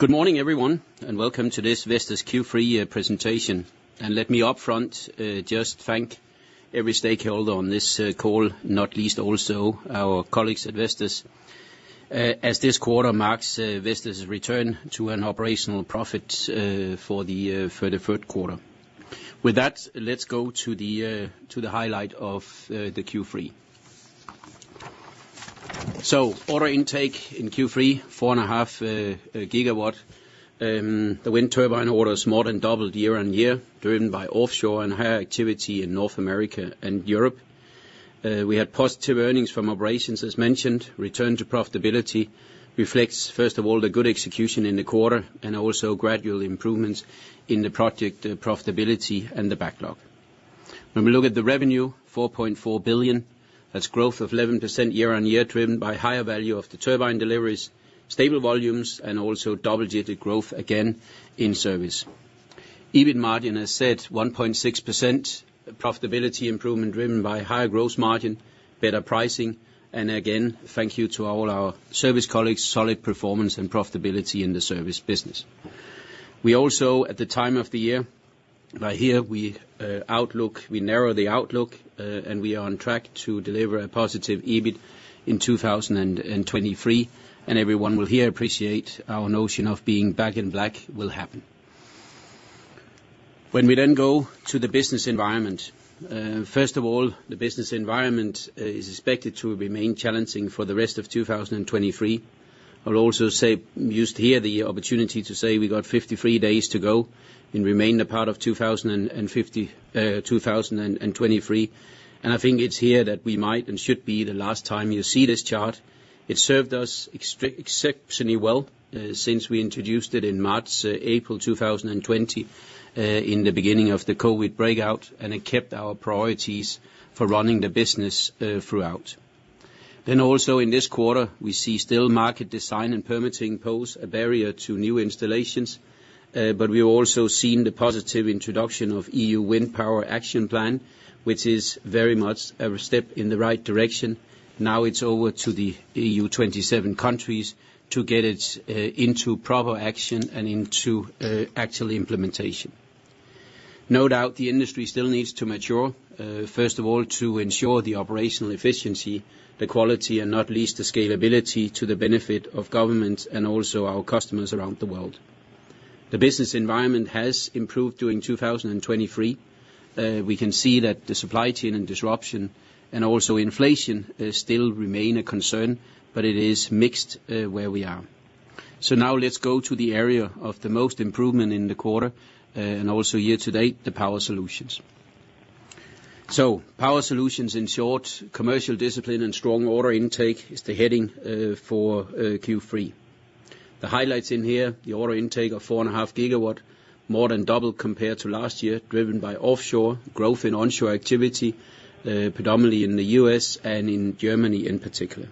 Good morning, everyone, and welcome to this Vestas Q3 presentation. And let me upfront just thank every stakeholder on this call, not least also our colleagues at Vestas. As this quarter marks Vestas' return to an operational profit for the third quarter. With that, let's go to the highlight of the Q3. So order intake in Q3, 4.5 GW. The wind turbine orders more than doubled year-on-year, driven by offshore and higher activity in North America and Europe. We had positive earnings from operations, as mentioned. Return to profitability reflects, first of all, the good execution in the quarter, and also gradual improvements in the project profitability and the backlog. When we look at the revenue, 4.4 billion, that's growth of 11% year-on-year, driven by higher value of the turbine deliveries, stable volumes, and also double-digit growth again in service. EBIT margin, as said, 1.6%. Profitability improvement driven by higher gross margin, better pricing, and again, thank you to all our service colleagues, solid performance and profitability in the service business. We also, at the time of the year, we narrow the outlook, and we are on track to deliver a positive EBIT in 2023, and everyone will here appreciate our notion of being Back in Black will happen. When we then go to the business environment, first of all, the business environment is expected to remain challenging for the rest of 2023. I'll also say, use here the opportunity to say we got 53 days to go in remaining the part of 2023. And I think it's here that we might and should be the last time you see this chart. It served us exceptionally well, since we introduced it in March, April 2020, in the beginning of the COVID breakout, and it kept our priorities for running the business, throughout. Then also in this quarter, we see still market design and permitting pose a barrier to new installations, but we've also seen the positive introduction of EU Wind Power Action Plan, which is very much a step in the right direction. Now it's over to the EU 27 countries to get it, into proper action and into actual implementation. No doubt, the industry still needs to mature, first of all, to ensure the operational efficiency, the quality, and not least, the scalability to the benefit of governments and also our customers around the world. The business environment has improved during 2023. We can see that the supply chain and disruption, and also inflation, still remain a concern, but it is mixed, where we are. So now let's go to the area of the most improvement in the quarter, and also year to date, the Power Solutions. So Power Solutions, in short, commercial discipline and strong order intake is the heading, for, Q3. The highlights in here, the order intake of 4.5 GW, more than double compared to last year, driven by offshore growth in onshore activity, predominantly in the U.S. and in Germany in particular.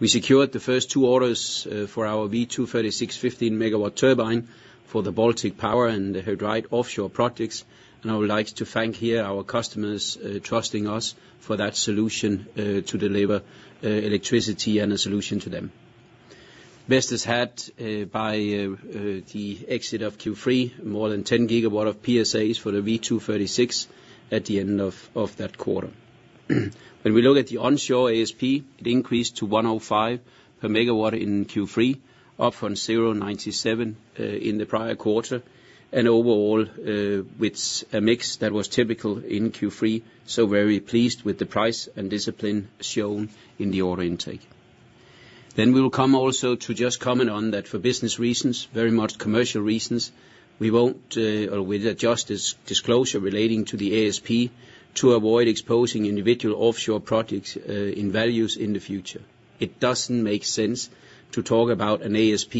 We secured the first two orders for our V236-15.0 MW turbine for the Baltic Power and the He Dreiht offshore projects, and I would like to thank here our customers trusting us for that solution to deliver electricity and a solution to them. Vestas had by the exit of Q3 more than 10 GW of PSAs for the V236 at the end of that quarter. When we look at the onshore ASP, it increased to 105 per MW in Q3, up from 0.97 in the prior quarter, and overall with a mix that was typical in Q3, so very pleased with the price and discipline shown in the order intake. Then we'll come also to just comment on that for business reasons, very much commercial reasons, we won't, or we'll adjust this disclosure relating to the ASP to avoid exposing individual offshore projects, in values in the future. It doesn't make sense to talk about an ASP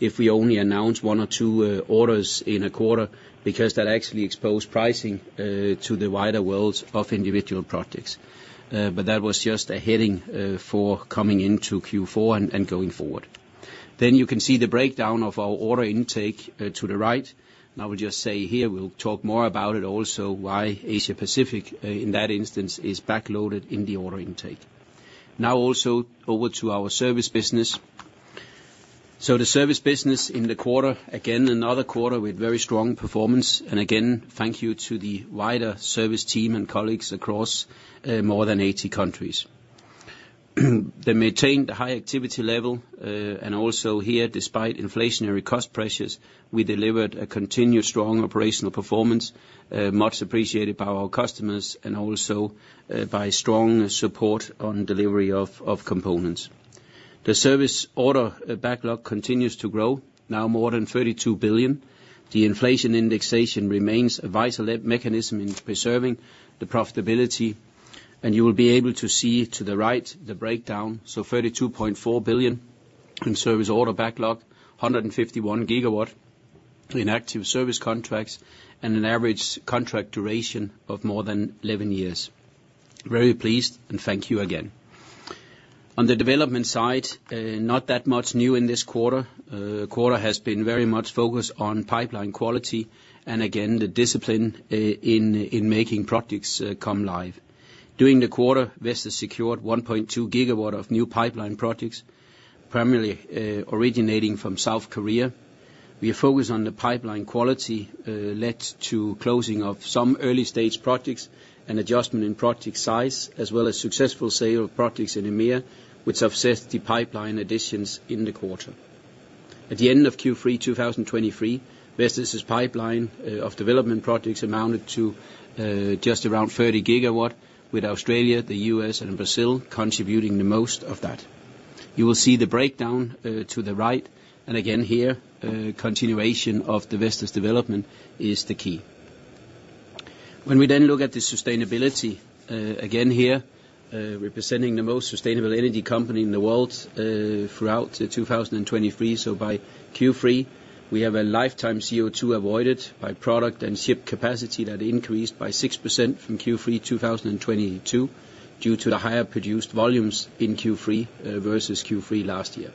if we only announce one or two orders in a quarter, because that actually expose pricing, to the wider world of individual projects. But that was just a heading, for coming into Q4 and going forward. Then you can see the breakdown of our order intake, to the right. And I will just say here, we'll talk more about it also, why Asia Pacific, in that instance, is backloaded in the order intake. Now, also over to our service business. So the service business in the quarter, again, another quarter with very strong performance. Again, thank you to the wider service team and colleagues across more than 80 countries. They maintained a high activity level, and also here, despite inflationary cost pressures, we delivered a continued strong operational performance, much appreciated by our customers and also by strong support on delivery of components. The service order backlog continues to grow, now more than 32 billion. The inflation indexation remains a vital lever mechanism in preserving the profitability, and you will be able to see to the right the breakdown, so 32.4 billion in service order backlog, 151 GW in active service contracts, and an average contract duration of more than 11 years. Very pleased, and thank you again. On the development side, not that much new in this quarter. Quarter has been very much focused on pipeline quality and again, the discipline in making projects come live. During the quarter, Vestas secured 1.2 GW of new pipeline projects, primarily originating from South Korea. We are focused on the pipeline quality, led to closing of some early stage projects and adjustment in project size, as well as successful sale of projects in EMEA, which offsets the pipeline additions in the quarter. At the end of Q3, 2023, Vestas' pipeline of development projects amounted to just around 30 GW, with Australia, the US, and Brazil contributing the most of that. You will see the breakdown to the right, and again here, continuation of the Vestas development is the key. When we then look at the sustainability, again here, representing the most sustainable energy company in the world, throughout 2023. So by Q3, we have a lifetime CO2 avoided by product and ship capacity that increased by 6% from Q3 2022, due to the higher produced volumes in Q3 versus Q3 last year.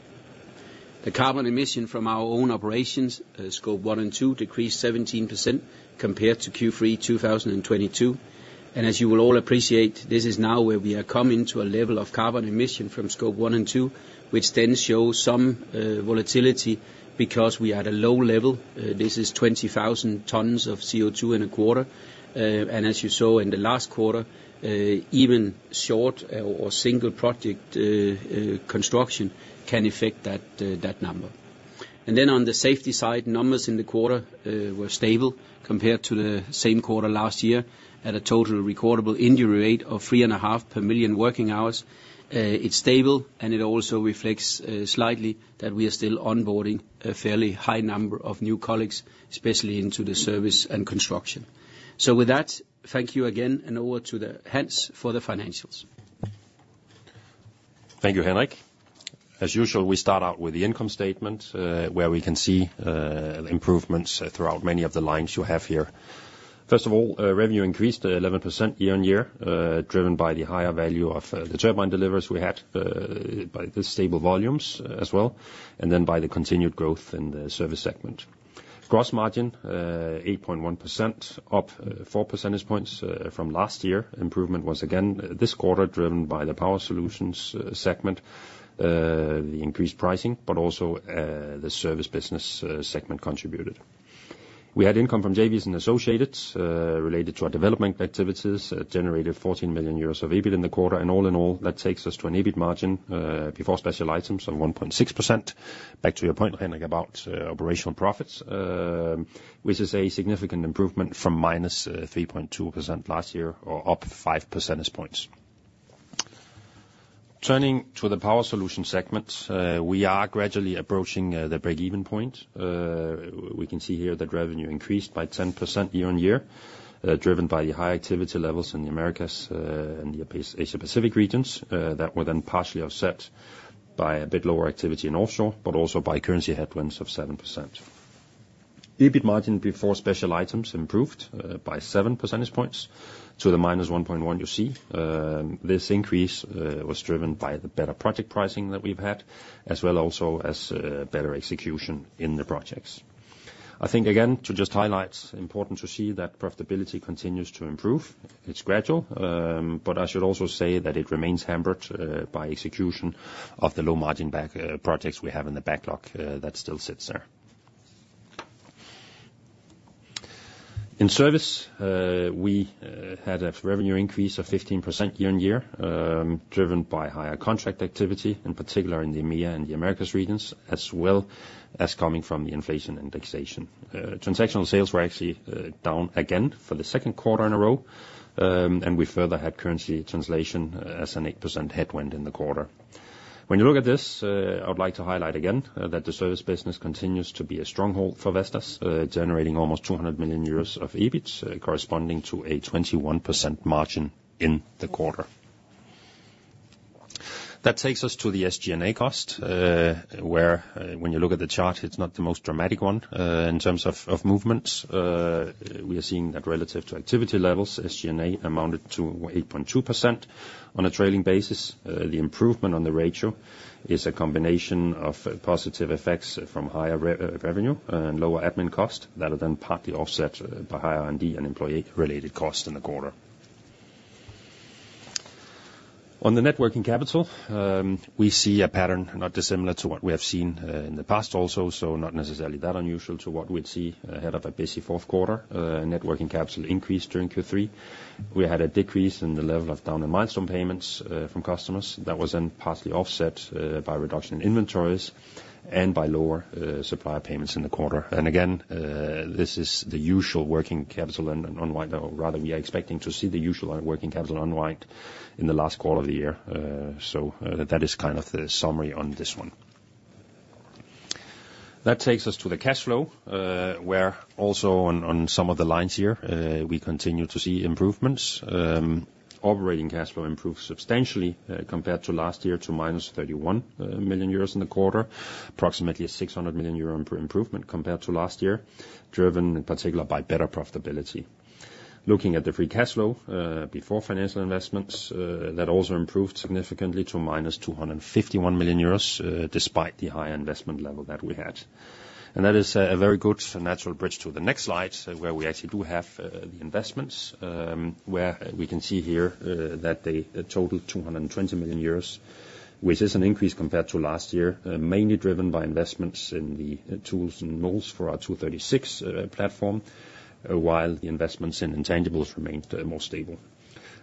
The carbon emission from our own operations, Scope 1 and 2, decreased 17% compared to Q3 2022. And as you will all appreciate, this is now where we are coming to a level of carbon emission from Scope 1 and 2, which then shows some volatility because we are at a low level. This is 20,000 tons of CO2 in a quarter. And as you saw in the last quarter, even short or single project construction can affect that number. Then on the safety side, numbers in the quarter were stable compared to the same quarter last year, at a Total Recordable Injury Rate of 3.5 per million working hours. It's stable, and it also reflects slightly that we are still onboarding a fairly high number of new colleagues, especially into the service and construction. So with that, thank you again, and over to Hans for the financials. Thank you, Henrik. As usual, we start out with the income statement, where we can see improvements throughout many of the lines you have here. First of all, revenue increased 11% year-on-year, driven by the higher value of the turbine deliveries we had, by the stable volumes as well, and then by the continued growth in the Service segment. Gross margin, 8.1%, up four percentage points from last year. Improvement was again, this quarter, driven by the Power Solutions segment, the increased pricing, but also, the service business segment contributed. We had income from JVs and associates, related to our development activities, generated 14 million euros of EBIT in the quarter. And all in all, that takes us to an EBIT margin before special items of 1.6%. Back to your point, Henrik, about operational profits, which is a significant improvement from -3.2% last year, or up 5 percentage points. Turning to the Power Solutions segment, we are gradually approaching the break-even point. We can see here that revenue increased by 10% year-over-year, driven by the high activity levels in the Americas and the Asia Pacific regions, that were then partially offset by a bit lower activity in offshore, but also by currency headwinds of 7%. EBIT margin before special items improved by 7 percentage points to the -1.1% you see. This increase was driven by the better project pricing that we've had, as well also as, better execution in the projects. I think, again, to just highlight, important to see that profitability continues to improve. It's gradual, but I should also say that it remains hampered by execution of the low margin legacy projects we have in the backlog that still sits there. In service, we had a revenue increase of 15% year-on-year, driven by higher contract activity, in particular in the EMEA and the Americas regions, as well as coming from the inflation indexation. Transactional sales were actually down again for the second quarter in a row, and we further had currency translation as an 8% headwind in the quarter. When you look at this, I would like to highlight again, that the service business continues to be a stronghold for Vestas, generating almost 200 million euros of EBIT, corresponding to a 21% margin in the quarter. That takes us to the SG&A cost, where, when you look at the chart, it's not the most dramatic one, in terms of, of movements. We are seeing that relative to activity levels, SG&A amounted to 8.2% on a trailing basis. The improvement on the ratio is a combination of positive effects from higher revenue and lower admin costs, that are then partly offset by higher R&D and employee-related costs in the quarter. On the net working capital, we see a pattern not dissimilar to what we have seen in the past also, so not necessarily that unusual to what we'd see ahead of a busy Q4. Net working capital increased during Q3. We had a decrease in the level of down and milestone payments from customers. That was then partly offset by reduction in inventories and by lower supplier payments in the quarter. And again, this is the usual working capital and unwind, though rather, we are expecting to see the usual working capital unwind in the last quarter of the year. So, that is kind of the summary on this one. That takes us to the cash flow, where also on some of the lines here, we continue to see improvements. Operating cash flow improved substantially compared to last year, to minus 31 million euros in the quarter, approximately 600 million euro improvement compared to last year, driven in particular by better profitability. Looking at the free cash flow before financial investments, that also improved significantly to minus 251 million euros, despite the higher investment level that we had. And that is a very good natural bridge to the next slide, where we actually do have the investments, where we can see here that they total 220 million euros, which is an increase compared to last year, mainly driven by investments in the tools and molds for our 236 platform, while the investments in intangibles remained more stable....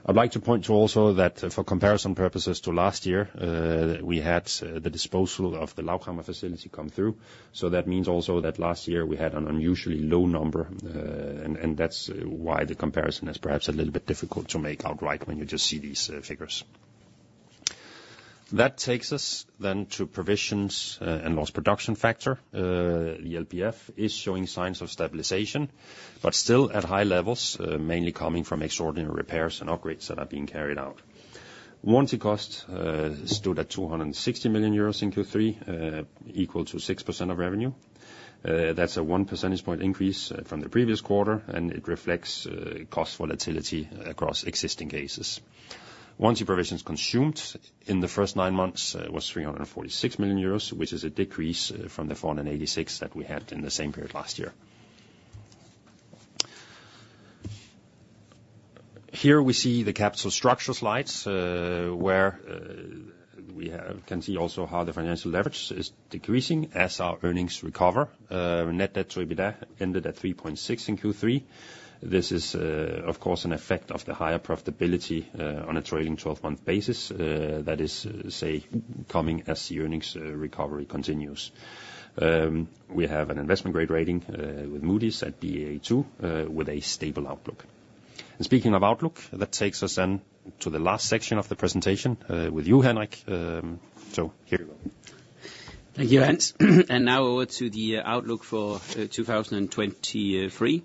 I'd like to point to also that for comparison purposes to last year, we had the disposal of the Lauchhammer facility come through. So that means also that last year we had an unusually low number, and that's why the comparison is perhaps a little bit difficult to make outright when you just see these figures. That takes us then to provisions and loss production factor. The LPF is showing signs of stabilization, but still at high levels, mainly coming from extraordinary repairs and upgrades that are being carried out. Warranty costs stood at 260 million euros in Q3, equal to 6% of revenue. That's a one percentage point increase from the previous quarter, and it reflects cost volatility across existing cases. Warranty provisions consumed in the first nine months was 346 million euros, which is a decrease from the 486 million that we had in the same period last year. Here we see the capital structure slides, where we can see also how the financial leverage is decreasing as our earnings recover. Net debt to EBITDA ended at 3.6 in Q3. This is, of course, an effect of the higher profitability on a trailing twelve-month basis. That is, say, coming as the earnings recovery continues. We have an investment-grade rating with Moody's at Baa2 with a stable outlook. And speaking of outlook, that takes us then to the last section of the presentation with you, Henrik. So here you go. Thank you, Hans. And now over to the outlook for 2023.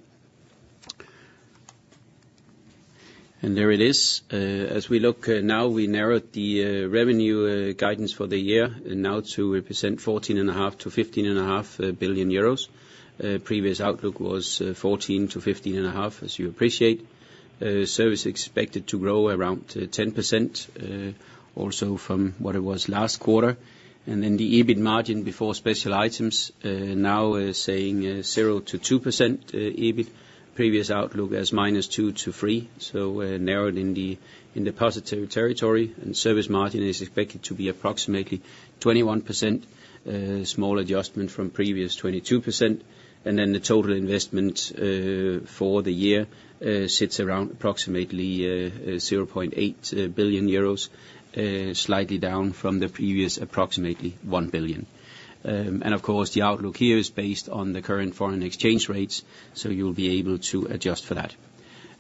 And there it is. As we look now, we narrowed the revenue guidance for the year, and now to represent 14.5 billion-15.5 billion euros. Previous outlook was 14 billion-15.5 billion, as you appreciate. Service expected to grow around 10%, also from what it was last quarter. And then the EBIT margin before special items now is saying 0%-2% EBIT. Previous outlook as -2% to 3%, so narrowed in the positive territory. And service margin is expected to be approximately 21%, small adjustment from previous 22%. Then the total investment for the year sits around approximately 0.8 billion euros, slightly down from the previous approximately 1 billion. And of course, the outlook here is based on the current foreign exchange rates, so you'll be able to adjust for that.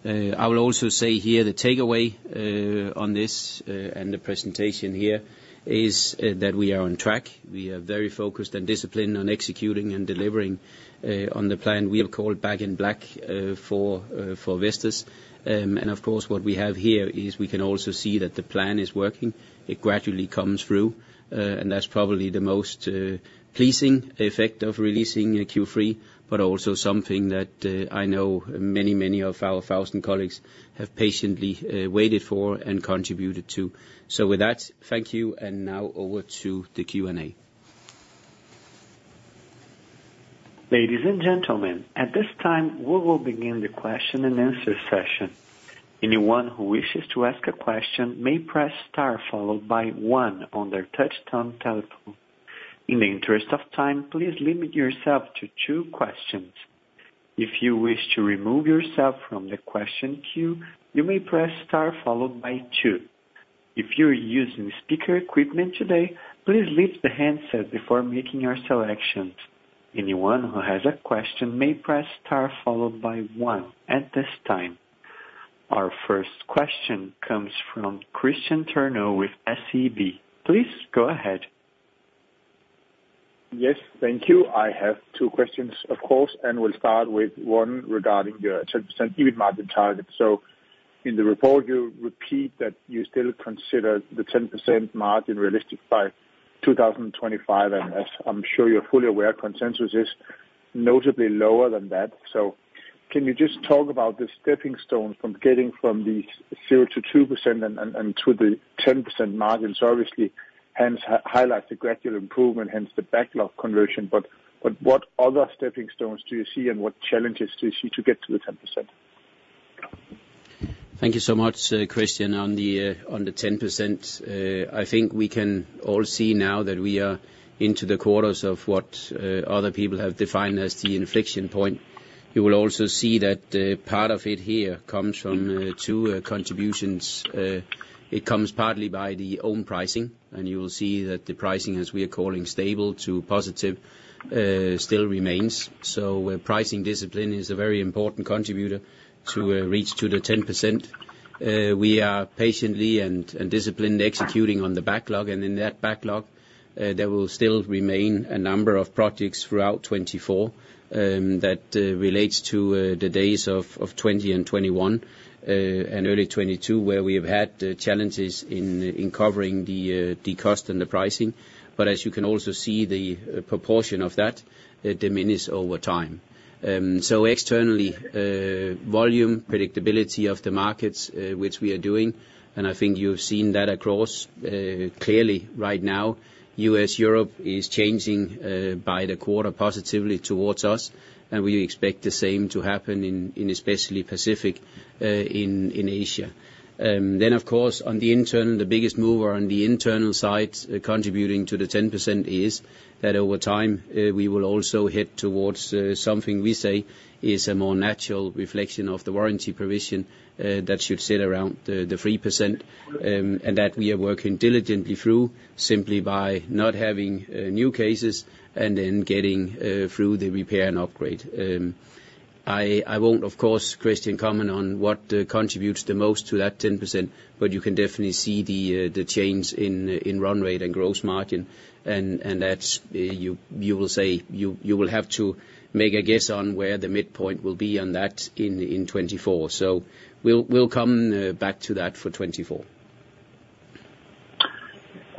I will also say here, the takeaway on this and the presentation here is that we are on track. We are very focused and disciplined on executing and delivering on the plan we have called Back in Black for Vestas. And of course, what we have here is we can also see that the plan is working. It gradually comes through, and that's probably the most pleasing effect of releasing Q3, but also something that I know many, many of our thousand colleagues have patiently waited for and contributed to. So with that, thank you, and now over to the Q&A. Ladies and gentlemen, at this time, we will begin the question-and-answer session. Anyone who wishes to ask a question may press star, followed by one on their touchtone telephone. In the interest of time, please limit yourself to two questions. If you wish to remove yourself from the question queue, you may press star followed by two. If you're using speaker equipment today, please leave the handset before making your selections. Anyone who has a question may press star, followed by one at this time. Our first question comes from Kristian Tornell with SEB. Please go ahead. Yes, thank you. I have two questions, of course, and we'll start with one regarding your 10% EBIT margin target. So in the report, you repeat that you still consider the 10% margin realistic by 2025, and as I'm sure you're fully aware, consensus is notably lower than that. So can you just talk about the stepping stone from getting from the 0%-2% and to the 10% margins? Obviously, hence, highlight the gradual improvement, hence the backlog conversion. But, but what other stepping stones do you see, and what challenges do you see to get to the 10%? Thank you so much, Christian. On the 10%, I think we can all see now that we are into the quarters of what other people have defined as the inflection point. You will also see that part of it here comes from two contributions. It comes partly by our own pricing, and you will see that the pricing, as we are calling stable to positive, still remains. So pricing discipline is a very important contributor to reach to the 10%. We are patiently and disciplined, executing on the backlog, and in that backlog, there will still remain a number of projects throughout 2024, that relates to the days of 2020 and 2021, and early 2022, where we have had challenges in covering the cost and the pricing. But as you can also see, the proportion of that, it diminishes over time. So externally, volume, predictability of the markets, which we are doing, and I think you've seen that across, clearly right now, U.S., Europe is changing, by the quarter positively towards us, and we expect the same to happen in especially Pacific, in Asia. Then, of course, on the internal, the biggest mover on the internal side, contributing to the 10% is that over time, we will also head towards something we say is a more natural reflection of the warranty provision that should sit around the 3%. And that we are working diligently through, simply by not having new cases and then getting through the repair and upgrade. I won't, of course, Kristian, comment on what contributes the most to that 10%, but you can definitely see the change in run rate and gross margin, and that's you will say you will have to make a guess on where the midpoint will be on that in 2024. So we'll come back to that for 2024.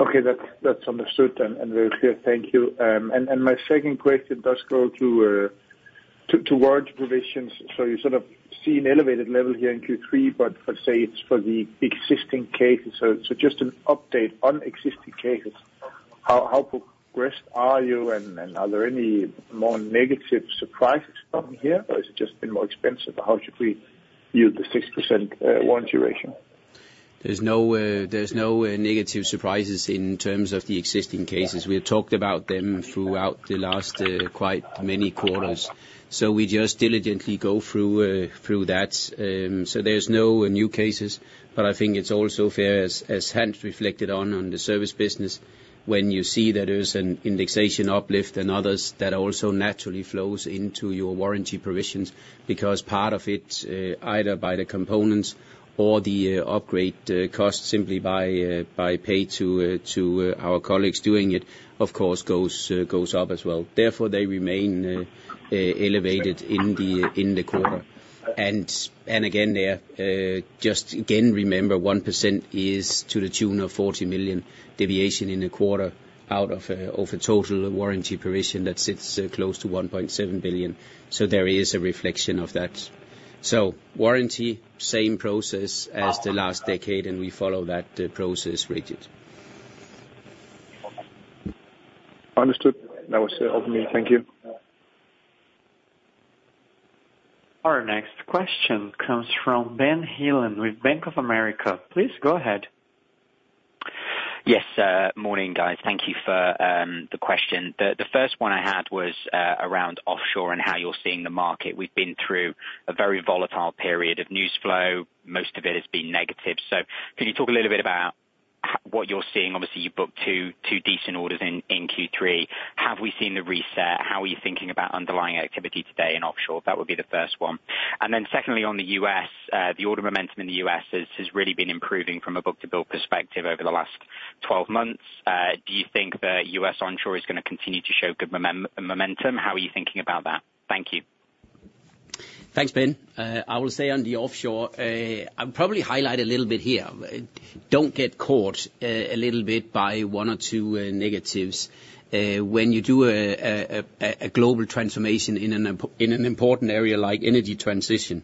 Okay, that's understood and very clear. Thank you. And my second question does go to warranty provisions. So you sort of see an elevated level here in Q3, but let's say it's for the existing cases. So just an update on existing cases, how progressed are you, and are there any more negative surprises coming here, or has it just been more expensive, or how should we view the 6% warranty ratio? There's no negative surprises in terms of the existing cases. We have talked about them throughout the last quite many quarters. So we just diligently go through that. So there's no new cases, but I think it's also fair, as Hans reflected on the service business, when you see that there's an indexation uplift and others, that also naturally flows into your warranty provisions, because part of it, either by the components or the upgrade costs, simply by pay to our colleagues doing it, of course, goes up as well. Therefore, they remain elevated in the quarter. And again, there just again, remember 1% is to the tune of 40 million deviation in a quarter, out of a total warranty provision that sits close to 1.7 billion. So there is a reflection of that. So warranty, same process as the last decade, and we follow that process rigid. Understood. That was it from me. Thank you. Our next question comes from Ben Heelan with Bank of America. Please go ahead. Yes, morning, guys. Thank you for the question. The first one I had was around offshore and how you're seeing the market. We've been through a very volatile period of news flow. Most of it has been negative. So could you talk a little bit about what you're seeing? Obviously, you've booked 2 decent orders in Q3. Have we seen the reset? How are you thinking about underlying activity today in offshore? That would be the first one. And then secondly, on the U.S., the order momentum in the U.S. has really been improving from a book-to-bill perspective over the last 12 months. Do you think the U.S. onshore is gonna continue to show good momentum? How are you thinking about that? Thank you. Thanks, Ben. I will say on the offshore, I'll probably highlight a little bit here. Don't get caught a little bit by one or two negatives. When you do a global transformation in an important area like energy transition,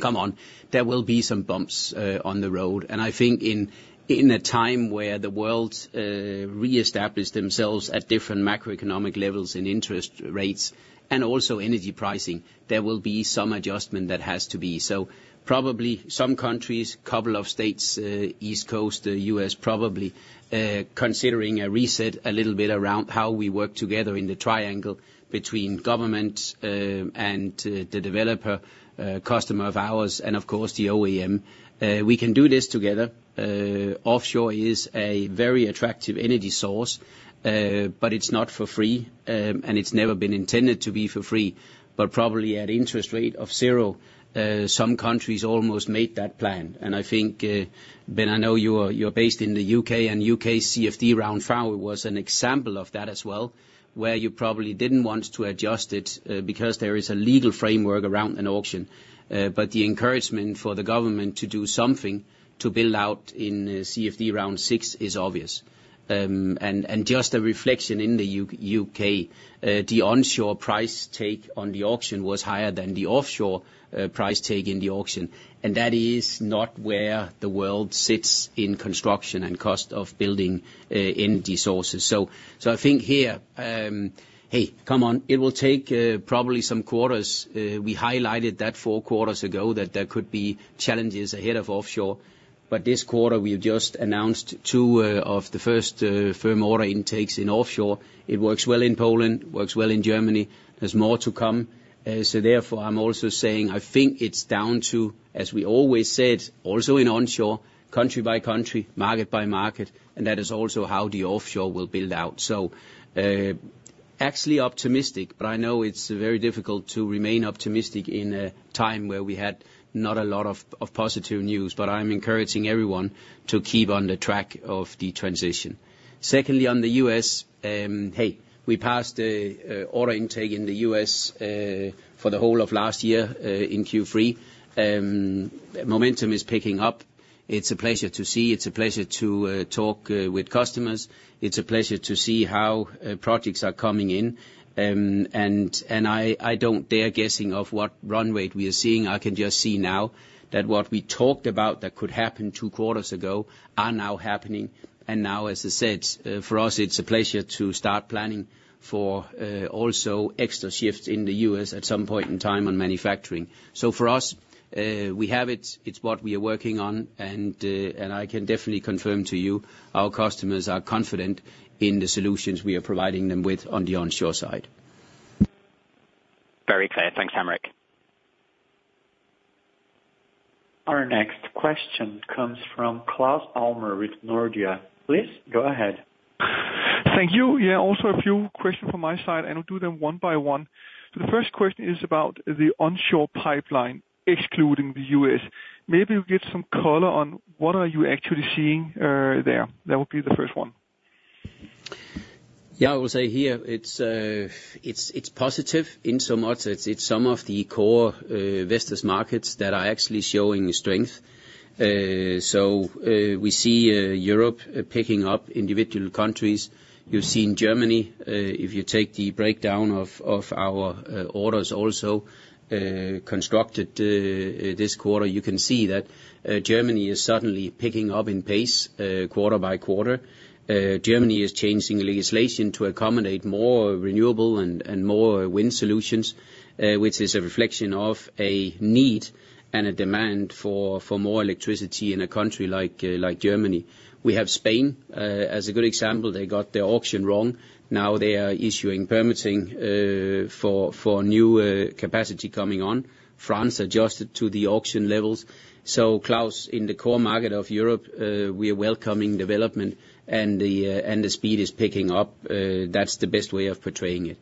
come on, there will be some bumps on the road. And I think in a time where the world reestablishes themselves at different macroeconomic levels and interest rates, and also energy pricing, there will be some adjustment that has to be. So probably some countries, couple of states, East Coast, the US, probably considering a reset a little bit around how we work together in the triangle between government and the developer customer of ours, and of course, the OEM. We can do this together. Offshore is a very attractive energy source, but it's not for free, and it's never been intended to be for free. But probably at interest rate of zero, some countries almost made that plan. And I think, Ben, I know you're based in the U.K., and U.K. CFD Round Four was an example of that as well, where you probably didn't want to adjust it, because there is a legal framework around an auction. But the encouragement for the government to do something to build out in CFD Round Six is obvious. And just a reflection in the U.K., the onshore price take on the auction was higher than the offshore price take in the auction, and that is not where the world sits in construction and cost of building energy sources. I think here, hey, come on, it will take probably some quarters. We highlighted that four quarters ago that there could be challenges ahead of offshore, but this quarter, we've just announced two of the first firm order intakes in offshore. It works well in Poland, works well in Germany. There's more to come. So therefore, I'm also saying I think it's down to, as we always said, also in onshore, country by country, market by market, and that is also how the offshore will build out. So actually optimistic, but I know it's very difficult to remain optimistic in a time where we had not a lot of positive news, but I'm encouraging everyone to keep on the track of the transition. Secondly, on the U.S., we passed the order intake in the U.S. for the whole of last year in Q3. Momentum is picking up. It's a pleasure to see, it's a pleasure to talk with customers. It's a pleasure to see how projects are coming in, and, and I, I don't dare guessing of what run rate we are seeing. I can just see now that what we talked about that could happen two quarters ago are now happening, and now, as I said, for us, it's a pleasure to start planning for also extra shifts in the U.S. at some point in time on manufacturing. So for us, we have it. It's what we are working on, and and I can definitely confirm to you, our customers are confident in the solutions we are providing them with on the onshore side. Very clear. Thanks, Henrik.... Our next question comes from Claus Almer with Nordea. Please go ahead. Thank you. Yeah, also a few questions from my side, and I'll do them one by one. The first question is about the onshore pipeline, excluding the U.S., maybe you'll get some color on what are you actually seeing, there? That would be the first one. Yeah, I will say here, it's positive in so much it's some of the core investors markets that are actually showing strength. So, we see Europe picking up individual countries. You see in Germany, if you take the breakdown of our orders also, constructed this quarter, you can see that Germany is suddenly picking up in pace, quarter by quarter. Germany is changing legislation to accommodate more renewable and more wind solutions, which is a reflection of a need and a demand for more electricity in a country like Germany. We have Spain as a good example. They got their auction wrong. Now they are issuing permitting for new capacity coming on. France adjusted to the auction levels. So, Claus, in the core market of Europe, we are welcoming development, and the speed is picking up. That's the best way of portraying it.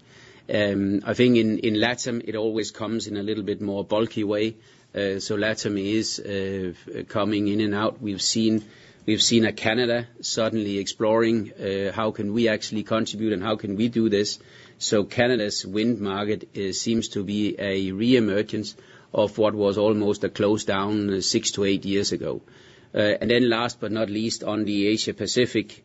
I think in LATAM, it always comes in a little bit more bulky way. So LATAM is coming in and out. We've seen Canada suddenly exploring how can we actually contribute and how can we do this? So, Canada's wind market seems to be a reemergence of what was almost a closed down 6-8 years ago. And then last but not least, on the Asia Pacific,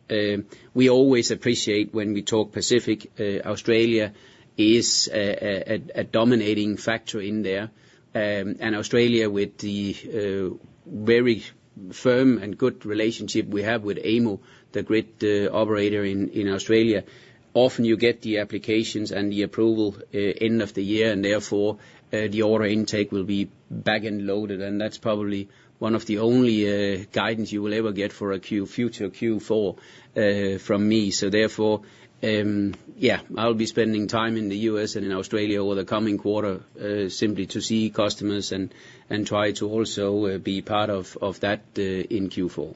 we always appreciate when we talk Pacific, Australia is a dominating factor in there. And Australia, with the very firm and good relationship we have with AEMO, the grid operator in Australia, often you get the applications and the approval end of the year, and therefore the order intake will be back and loaded. And that's probably one of the only guidance you will ever get for a future Q4 from me. So therefore, yeah, I'll be spending time in the US and in Australia over the coming quarter, simply to see customers and try to also be part of that in Q4.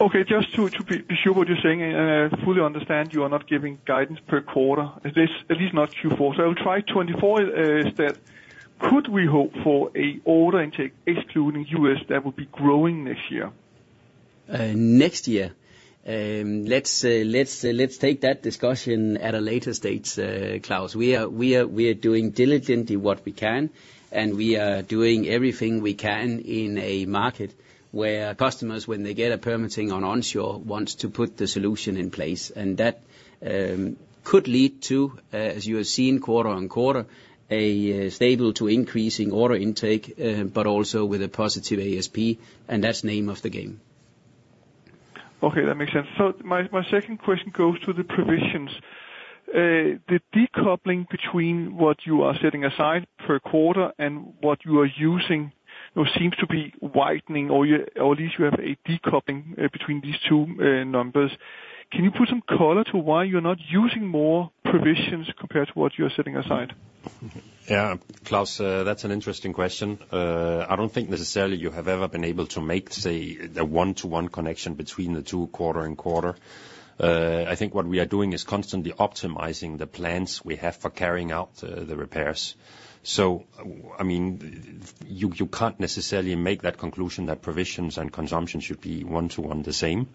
Okay. Just to be sure what you're saying, and I fully understand you are not giving guidance per quarter, at least not Q4, so I will try 2024 instead. Could we hope for an order intake excluding U.S., that will be growing this year? Next year? Let's take that discussion at a later date, Claus. We are doing diligently what we can, and we are doing everything we can in a market where customers, when they get a permitting on onshore, wants to put the solution in place. And that could lead to, as you have seen quarter-on-quarter, a stable to increasing order intake, but also with a positive ASP, and that's name of the game. Okay, that makes sense. So my second question goes to the provisions. The decoupling between what you are setting aside per quarter and what you are using seems to be widening, or at least you have a decoupling between these two numbers. Can you put some color to why you're not using more provisions compared to what you're setting aside? Yeah, Claus, that's an interesting question. I don't think necessarily you have ever been able to make, say, the one-to-one connection between the two quarter and quarter. I think what we are doing is constantly optimizing the plans we have for carrying out, the repairs. So, I mean, you can't necessarily make that conclusion that provisions and consumption should be one to one the same.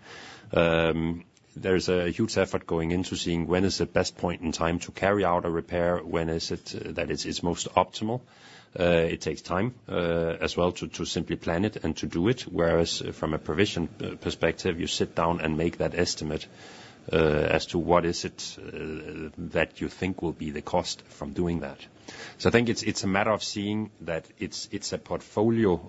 There is a huge effort going into seeing when is the best point in time to carry out a repair, when is it that it's most optimal. It takes time, as well, to simply plan it and to do it, whereas from a provision perspective, you sit down and make that estimate, as to what is it, that you think will be the cost from doing that. So, I think it's a matter of seeing that it's a portfolio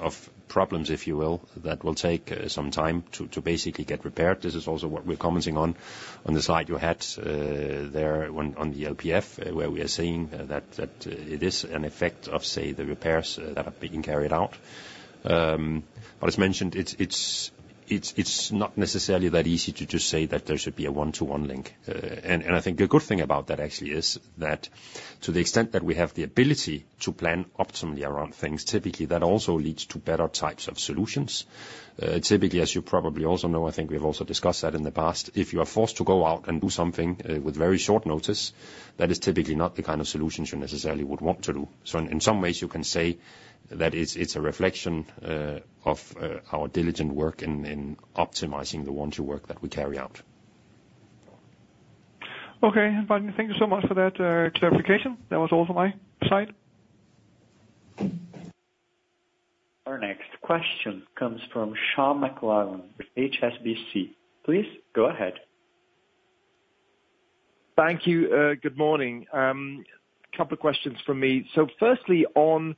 of problems, if you will, that will take some time to basically get repaired. This is also what we're commenting on the slide you had there when on the LPF, where we are saying that it is an effect of, say, the repairs that are being carried out. But as mentioned, it's not necessarily that easy to just say that there should be a one-to-one link. And I think the good thing about that actually is that to the extent that we have the ability to plan optimally around things, typically that also leads to better types of solutions. Typically, as you probably also know, I think we've also discussed that in the past, if you are forced to go out and do something with very short notice, that is typically not the kind of solutions you necessarily would want to do. So in some ways, you can say that it's a reflection of our diligent work in optimizing the one to work that we carry out. Okay. Thank you so much for that, clarification. That was all from my side. Our next question comes from Sean McLoughlin with HSBC. Please go ahead. Thank you. Good morning. A couple of questions from me. So firstly, on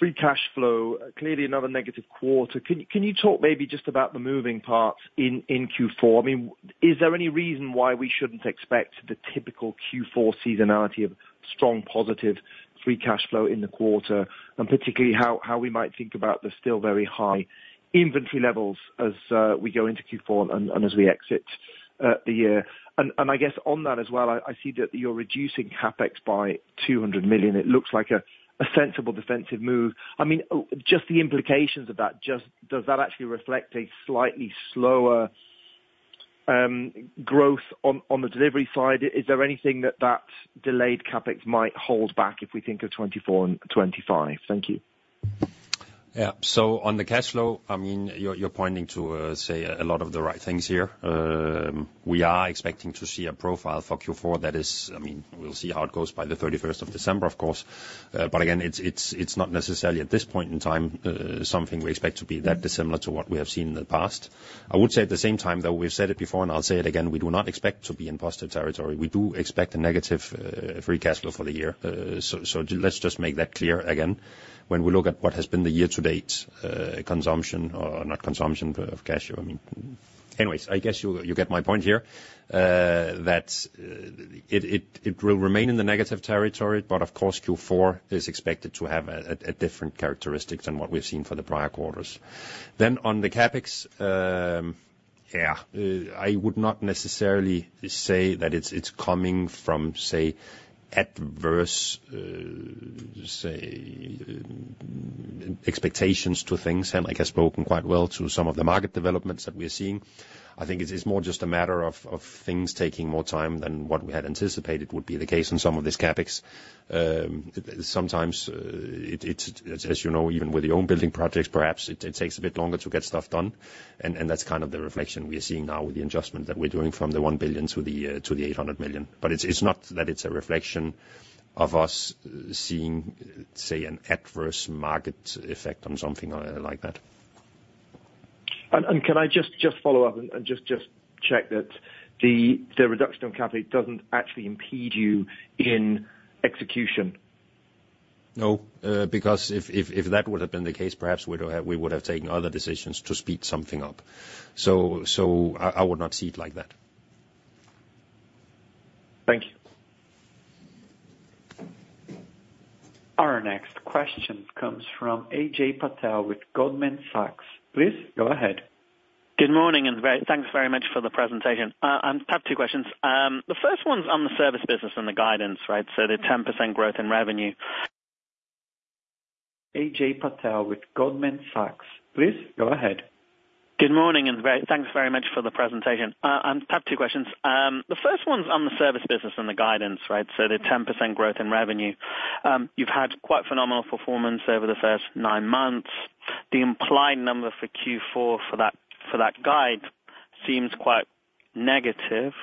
free cash flow, clearly another negative quarter. Can you, can you talk maybe just about the moving parts in Q4? I mean, is there any reason why we shouldn't expect the typical Q4 seasonality of strong, positive free cash flow in the quarter, and particularly, how we might think about the still very high inventory levels as we go into Q4 and as we exit the year? And I guess on that as well, I see that you're reducing CapEx by 200 million. It looks like a sensible defensive move. I mean, just the implications of that, just does that actually reflect a slightly slower growth on the delivery side? Is there anything that delayed CapEx might hold back if we think of 2024 and 2025? Thank you. Yeah. So on the cash flow, I mean, you're, you're pointing to, say, a lot of the right things here. We are expecting to see a profile for Q4 that is, I mean, we'll see how it goes by the 31st of December, of course. But again, it's, it's, it's not necessarily, at this point in time, something we expect to be that dissimilar to what we have seen in the past. I would say at the same time, though, we've said it before and I'll say it again, we do not expect to be in positive territory. We do expect a negative, free cash flow for the year. So, so let's just make that clear again. When we look at what has been the year to date, consumption, or not consumption of cash flow, I mean... Anyways, I guess you get my point here that it will remain in the negative territory, but of course, Q4 is expected to have a different characteristic than what we've seen for the prior quarters. Then on the CapEx, yeah, I would not necessarily say that it's coming from, say, adverse, say, expectations to things. And like I spoken quite well to some of the market developments that we're seeing. I think it is more just a matter of things taking more time than what we had anticipated would be the case in some of this CapEx. Sometimes, as you know, even with your own building projects, perhaps it takes a bit longer to get stuff done, and that's kind of the reflection we are seeing now with the adjustment that we're doing from 1 billion to 800 million. But it's not that it's a reflection of us seeing, say, an adverse market effect on something like that. And can I just follow up and just check that the reduction on CapEx doesn't actually impede you in execution? No, because if that would have been the case, perhaps we would have taken other decisions to speed something up. So I would not see it like that. Thank you. Our next question comes from Ajay Patel with Goldman Sachs. Please go ahead. Good morning, and very thanks very much for the presentation. I have two questions. The first one's on the service business and the guidance, right? So the 10% growth in revenue. Ajay Patel with Goldman Sachs. Please go ahead. Good morning, and very thanks very much for the presentation. I have two questions. The first one's on the service business and the guidance, right? So, the 10% growth in revenue. You've had quite phenomenal performance over the first nine months. The implied number for Q4 for that, for that guide seems quite negative.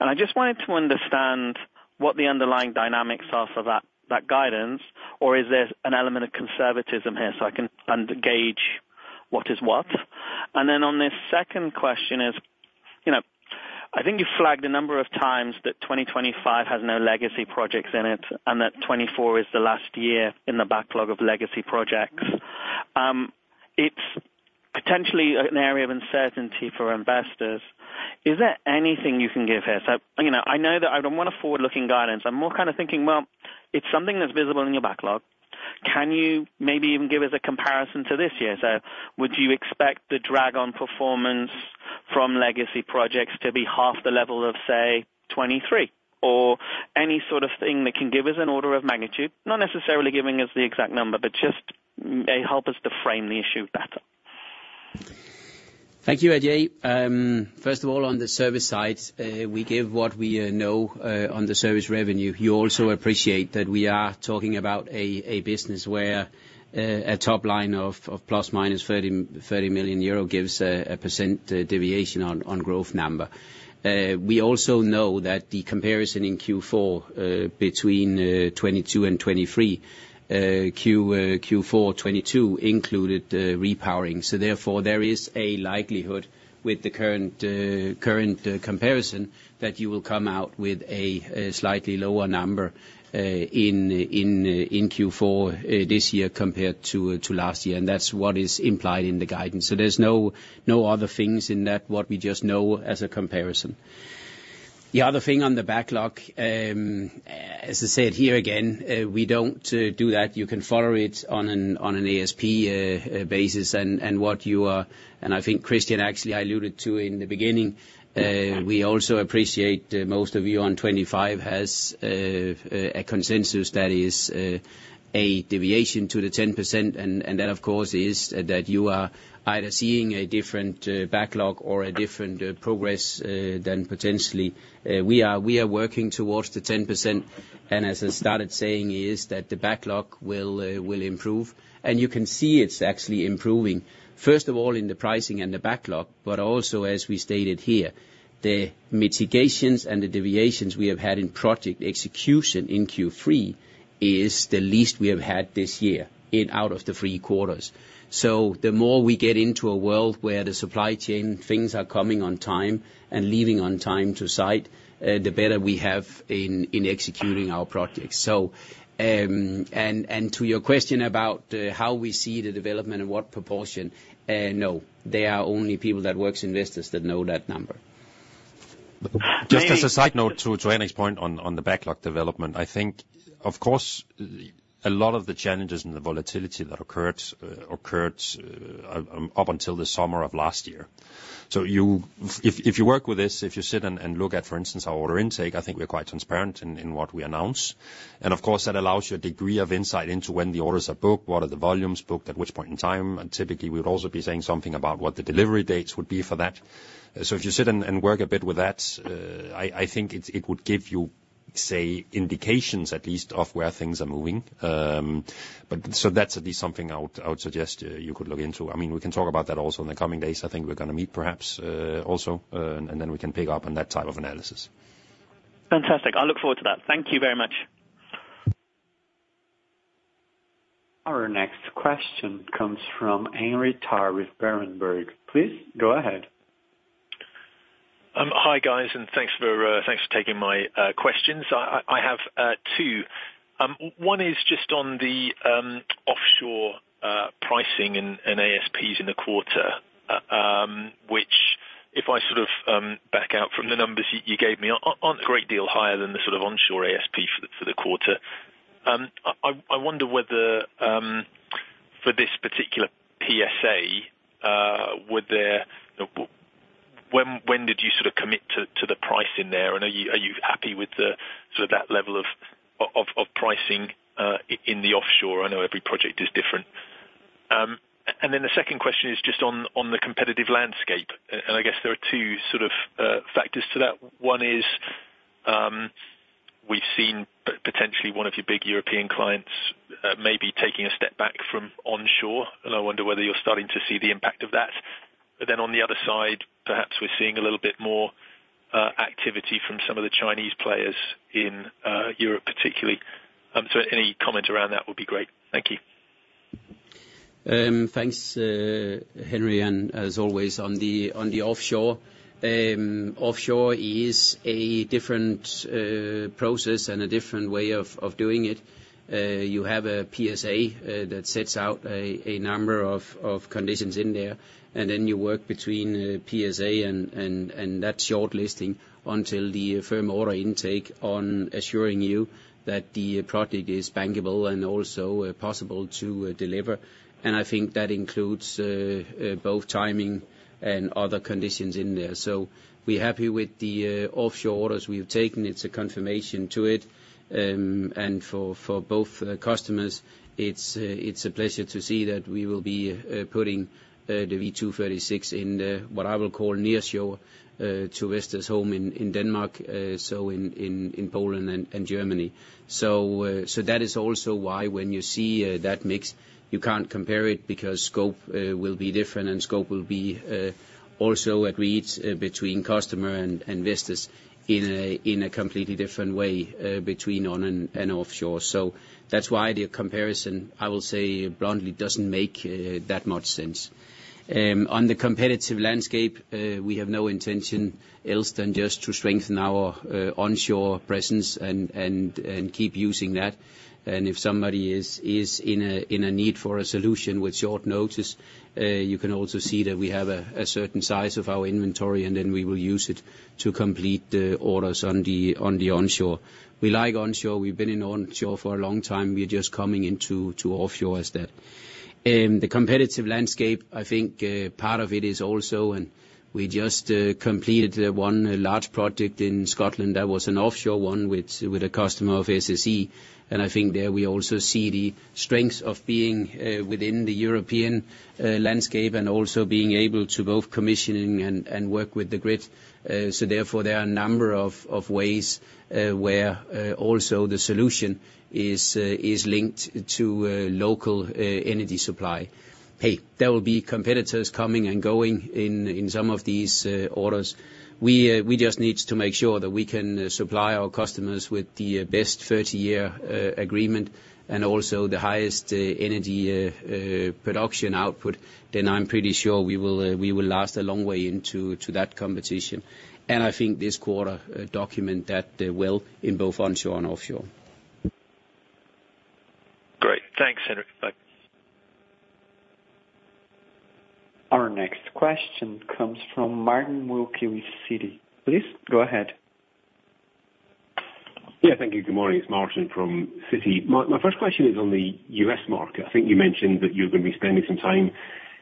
And I just wanted to understand what the underlying dynamics are for that, that guidance, or is there an element of conservatism here, so I can under gauge what is what? And then on the second question is, you know, I think you flagged a number of times that 2025 has no legacy projects in it, and that 2024 is the last year in the backlog of legacy projects. It's potentially an area of uncertainty for investors. Is there anything you can give here? So, you know, I know that I don't want a forward-looking guidance. I'm more kind of thinking, well, it's something that's visible in your backlog. Can you maybe even give us a comparison to this year? So, would you expect the drag on performance from legacy projects to be half the level of, say, 2023, or any sort of thing that can give us an order of magnitude? Not necessarily giving us the exact number but just help us to frame the issue better. Thank you, Ajay. First of all, on the service side, we give what we know on the service revenue. You also appreciate that we are talking about a business where a top line of ±30 million euro gives a % deviation on growth number. We also know that the comparison in Q4 between 2022 and 2023, Q4 2022 included repowering. So therefore, there is a likelihood with the current comparison, that you will come out with a slightly lower number in Q4 this year compared to last year, and that's what is implied in the guidance. So, there's no other things in that, what we just know as a comparison. The other thing on the backlog, as I said, here again, we don't do that. You can follow it on an ASP basis, and what you are—and I think Christian actually alluded to in the beginning, we also appreciate most of you on 25 has a consensus that is a deviation to the 10%, and that, of course, is that you are either seeing a different backlog or a different progress than potentially we are. We are working towards the 10%, and as I started saying, is that the backlog will improve. You can see it's actually improving. First of all, in the pricing and the backlog, but also as we stated here, the mitigations and the deviations we have had in project execution in Q3 is the least we have had this year, in out of the three quarters. So, the more we get into a world where the supply chain, things are coming on time and leaving on time to site, the better we have in executing our projects. So, and to your question about how we see the development and what proportion, no, there are only people that works investors that know that number. Just as a side note to Ajay's point on the backlog development, I think, of course, a lot of the challenges and the volatility that occurred up until the summer of last year-... So you, if you work with this, if you sit and look at, for instance, our order intake, I think we're quite transparent in what we announce. And of course, that allows you a degree of insight into when the orders are booked, what are the volumes booked, at which point in time, and typically, we'd also be saying something about what the delivery dates would be for that. So if you sit and work a bit with that, I think it would give you, say, indications, at least, of where things are moving. But so that's at least something I would suggest you could look into. I mean, we can talk about that also in the coming days. I think we're gonna meet perhaps, also, and then we can pick up on that type of analysis. Fantastic. I look forward to that. Thank you very much. Our next question comes from Henry Tarr with Berenberg. Please go ahead. Hi, guys, and thanks for taking my questions. I have two. One is just on the offshore pricing and ASPs in the quarter, which if I sort of back out from the numbers you gave me, aren't a great deal higher than the sort of onshore ASP for the quarter. I wonder whether, for this particular PSA, when did you sort of commit to the price in there? And are you happy with the sort of that level of pricing in the offshore? I know every project is different. And then the second question is just on the competitive landscape, and I guess there are two sort of factors to that. One is, we've seen potentially one of your big European clients, maybe taking a step back from onshore, and I wonder whether you're starting to see the impact of that. But then on the other side, perhaps we're seeing a little bit more activity from some of the Chinese players in Europe, particularly. So, any comment around that would be great. Thank you. Thanks, Henry, and as always, on the offshore, offshore is a different process and a different way of doing it. You have a PSA that sets out a number of conditions in there, and then you work between PSA and that shortlisting until the firm order intake on assuring you that the product is bankable and also possible to deliver. And I think that includes both timing and other conditions in there. So we're happy with the offshore orders we've taken. It's a confirmation to it. And for both customers, it's a pleasure to see that we will be putting the V236 in the, what I will call nearshore, to Vestas' home in Denmark, so in Poland and Germany. So, so that is also why when you see, that mix, you can't compare it, because scope, will be different, and scope will be, also agreed between customer and, and Vestas in a, in a completely different way, between on and, and offshore. So that's why the comparison, I will say bluntly, doesn't make, that much sense. On the competitive landscape, we have no intention else than just to strengthen our, onshore presence and, and, and keep using that. And if somebody is in a need for a solution with short notice, you can also see that we have a certain size of our inventory, and then we will use it to complete the orders on the, on the onshore. We like onshore. We've been in onshore for a long time. We're just coming into the offshore as that. In the competitive landscape, I think part of it is also, and we just completed one large project in Scotland. That was an offshore one with a customer of SSE, and I think there we also see the strengths of being within the European landscape and also being able to both commissioning and work with the grid. So therefore, there are a number of ways where also the solution is linked to local energy supply. Hey, there will be competitors coming and going in some of these orders. We just need to make sure that we can supply our customers with the best 30-year agreement and also the highest energy production output. Then I'm pretty sure we will last a long way into that competition. And I think this quarter documents that well in both onshore and offshore. Great. Thanks, Henrik. Bye. Our next question comes from Martin Wilkie with Citi. Please go ahead. Yeah, thank you. Good morning. It's Martin from Citi. My first question is on the U.S. market. I think you mentioned that you're going to be spending some time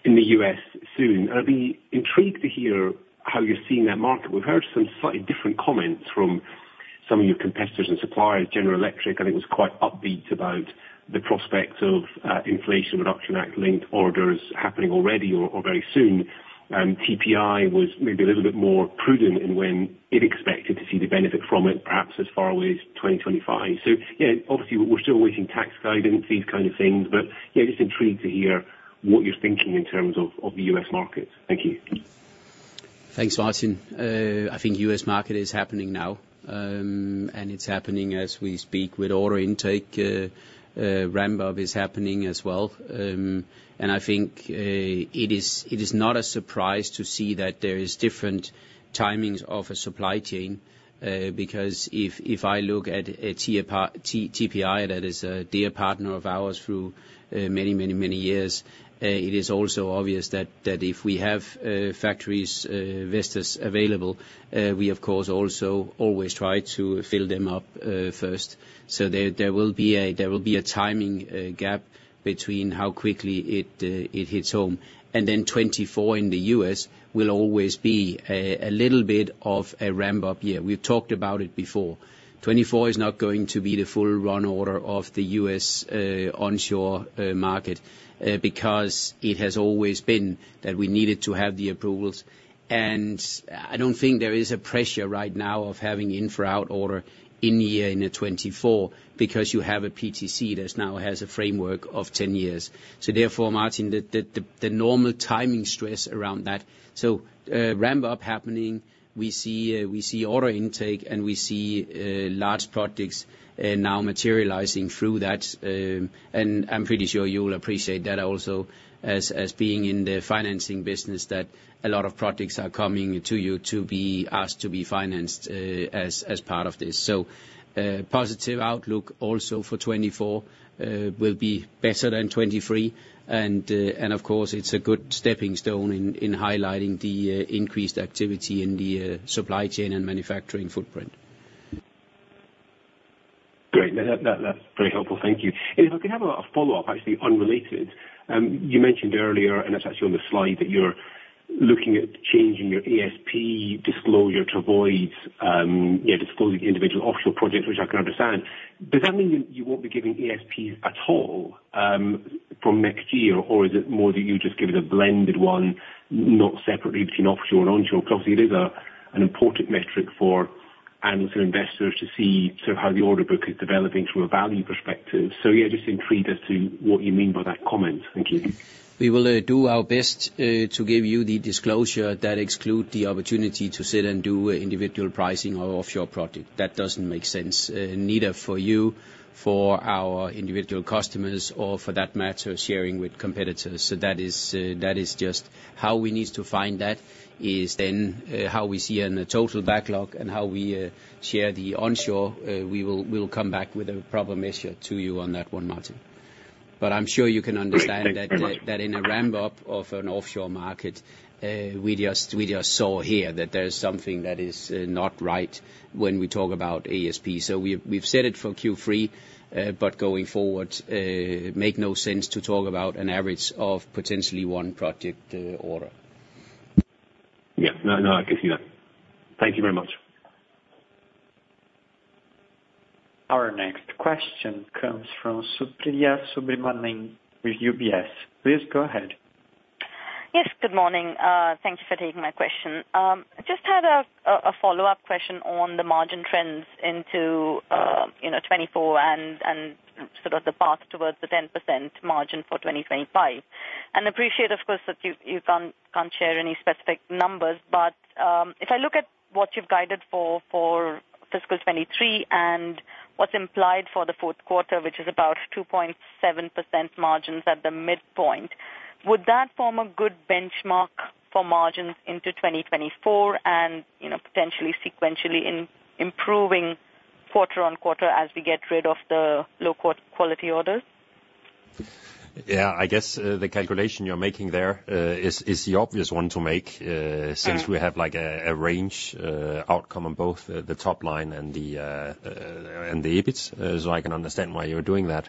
in the U.S. soon, and I'd be intrigued to hear how you're seeing that market. We've heard some slightly different comments from some of your competitors and suppliers. General Electric, I think, was quite upbeat about the prospects of Inflation Reduction Act-linked orders happening already or very soon. TPI was maybe a little bit more prudent in when it expected to see the benefit from it, perhaps as far away as 2025. So yeah, obviously, we're still awaiting tax guidance, these kinds of things, but yeah, just intrigued to hear what you're thinking in terms of the U.S. market. Thank you.... Thanks, Martin. I think U.S. market is happening now, and it's happening as we speak. With order intake, ramp-up is happening as well. And I think, it is not a surprise to see that there is different timings of a supply chain, because if I look at TPI, that is a dear partner of ours through many, many, many years, it is also obvious that if we have factories, investors available, we of course also always try to fill them up first. So, there will be a timing gap between how quickly it hits home. And then 2024 in the U.S. will always be a little bit of a ramp-up year. We've talked about it before. 2024 is not going to be the full run order of the U.S., onshore market, because it has always been that we needed to have the approvals. And I don't think there is a pressure right now of having rush out order in the year in the 2024, because you have a PTC that now has a framework of 10 years. So therefore, Martin, the normal timing stress around that. So, ramp-up happening, we see, we see order intake, and we see large projects now materializing through that. And I'm pretty sure you will appreciate that also as, as being in the financing business, that a lot of projects are coming to you to be asked to be financed, as, as part of this. So, positive outlook also for 2024, will be better than 2023. And of course, it's a good stepping stone in highlighting the increased activity in the supply chain and manufacturing footprint. Great. That's very helpful. Thank you. And if I could have a follow-up, actually unrelated. You mentioned earlier, and that's actually on the slide, that you're looking at changing your ASP disclosure to avoid disclosing individual offshore projects, which I can understand. Does that mean you won't be giving ASPs at all from next year? Or is it more that you just give it a blended one, not separately between offshore and onshore? Obviously, it is an important metric for analysts and investors to see sort of how the order book is developing from a value perspective. So yeah, just intrigued as to what you mean by that comment. Thank you. We will do our best to give you the disclosure that exclude the opportunity to sit and do individual pricing of offshore project. That doesn't make sense, neither for you, for our individual customers, or for that matter, sharing with competitors. So that is, that is just how we need to find that, is then, how we see in the total backlog and how we share the onshore. We will, we will come back with a proper message to you on that one, Martin. But I'm sure you can understand- Great. Thank you very much. that in a ramp-up of an offshore market, we just saw here that there is something that is not right when we talk about ASP. So, we've said it for Q3, but going forward, make no sense to talk about an average of potentially one project order. Yeah. No, no, I can see that. Thank you very much. Our next question comes from Supriya Subramanian with UBS. Please go ahead. Yes, good morning. Thank you for taking my question. Just had a follow-up question on the margin trends into, you know, 2024 and sort of the path towards the 10% margin for 2025. Appreciate, of course, that you can't share any specific numbers. But, if I look at what you've guided for fiscal 2023 and what's implied for the Q4, which is about 2.7% margins at the midpoint, would that form a good benchmark for margins into 2024 and, you know, potentially sequentially improving quarter-on-quarter as we get rid of the low-quality orders? Yeah, I guess, the calculation you're making there, is the obvious one to make, Mm-hmm... since we have, like, a range outcome on both the top line and the EBIT. So, I can understand why you're doing that.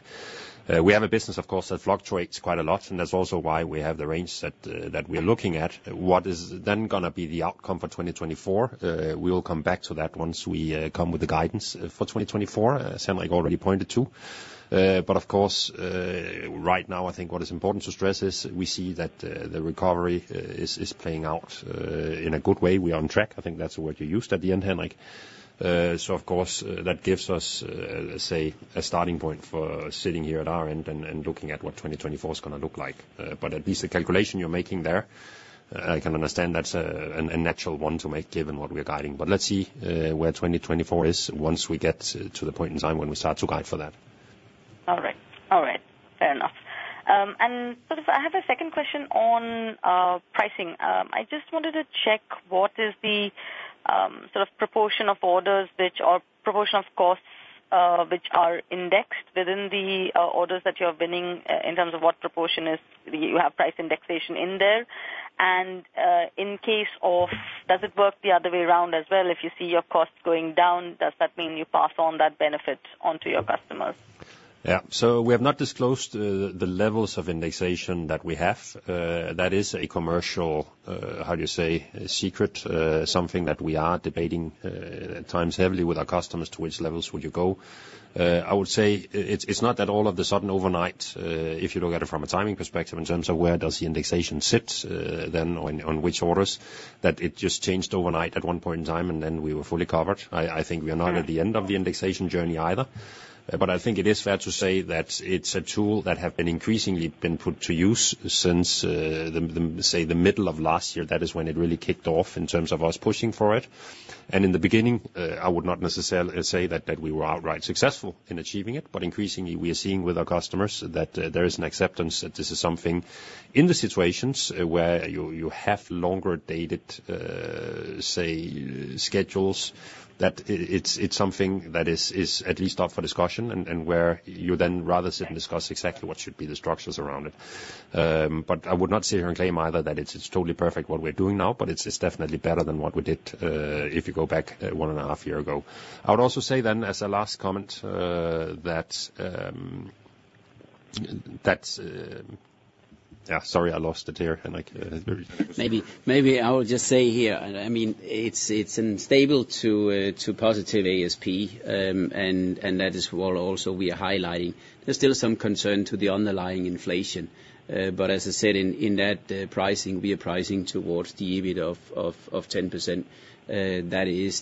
We have a business, of course, that fluctuates quite a lot, and that's also why we have the range that we're looking at. What is then gonna be the outcome for 2024? We will come back to that once we come with the guidance for 2024, something I already pointed to. But of course, right now, I think what is important to stress is we see that the recovery is playing out in a good way. We are on track. I think that's the word you used at the end, Henrik. So of course, that gives us, say, a starting point for sitting here at our end and looking at what 2024 is gonna look like. But at least the calculation you're making there, I can understand that's a natural one to make given what we are guiding. But let's see, where 2024 is once we get to the point in time when we start to guide for that. All right. All right, fair enough. And so, I have a second question on pricing. I just wanted to check what is the sort of proportion of orders which are... Proportion of costs which are indexed within the orders that you're winning, in terms of what proportion is, you have price indexation in there? And, in case of, does it work the other way around as well? If you see your costs going down, does that mean you pass on that benefit onto your customers? Yeah. So, we have not disclosed the levels of indexation that we have. That is a commercial, how do you say, secret, something that we are debating, at times heavily with our customers, to which levels would you go? I would say, it's not that all of the sudden overnight, if you look at it from a timing perspective, in terms of where the indexation sits, then on which orders, that it just changed overnight at one point in time, and then we were fully covered. I think we are not at the end of the indexation journey either. But I think it is fair to say that it's a tool that have been increasingly been put to use since, say, the middle of last year. That is when it really kicked off in terms of us pushing for it. In the beginning, I would not necessarily say that that we were outright successful in achieving it, but increasingly, we are seeing with our customers that there is an acceptance that this is something in the situations where you have longer dated say schedules, that it's something that is at least up for discussion, and where you then rather sit and discuss exactly what should be the structures around it. But I would not sit here and claim either that it's totally perfect what we're doing now, but it's definitely better than what we did if you go back one and a half year ago. I would also say then, as a last comment, that that's... Yeah, sorry, I lost it there, Henrik. Maybe, maybe I will just say here, and I mean, it's unstable to positive ASP, and that is what also we are highlighting. There's still some concern to the underlying inflation, but as I said, in that pricing, we are pricing towards the EBIT of 10%. That is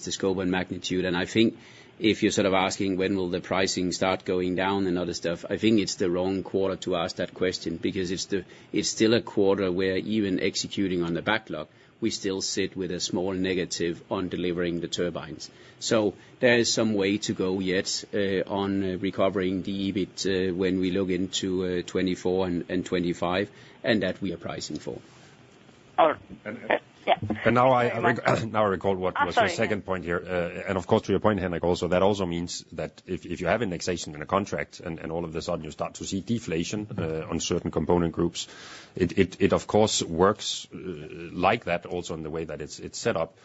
the scope and magnitude. And I think if you're sort of asking when will the pricing start going down and other stuff, I think it's the wrong quarter to ask that question, because it's still a quarter where even executing on the backlog, we still sit with a small negative on delivering the turbines. So there is some way to go yet on recovering the EBIT when we look into 2024 and 2025, and that we are pricing for. All right. Yes. And now I- Uh, my- Now I recall what- I'm sorry... was my second point here. And of course, to your point, Henrik, also, that also means that if you have indexation in a contract, and all of a sudden you start to see deflation on certain component groups, it of course works like that also in the way that it's set up.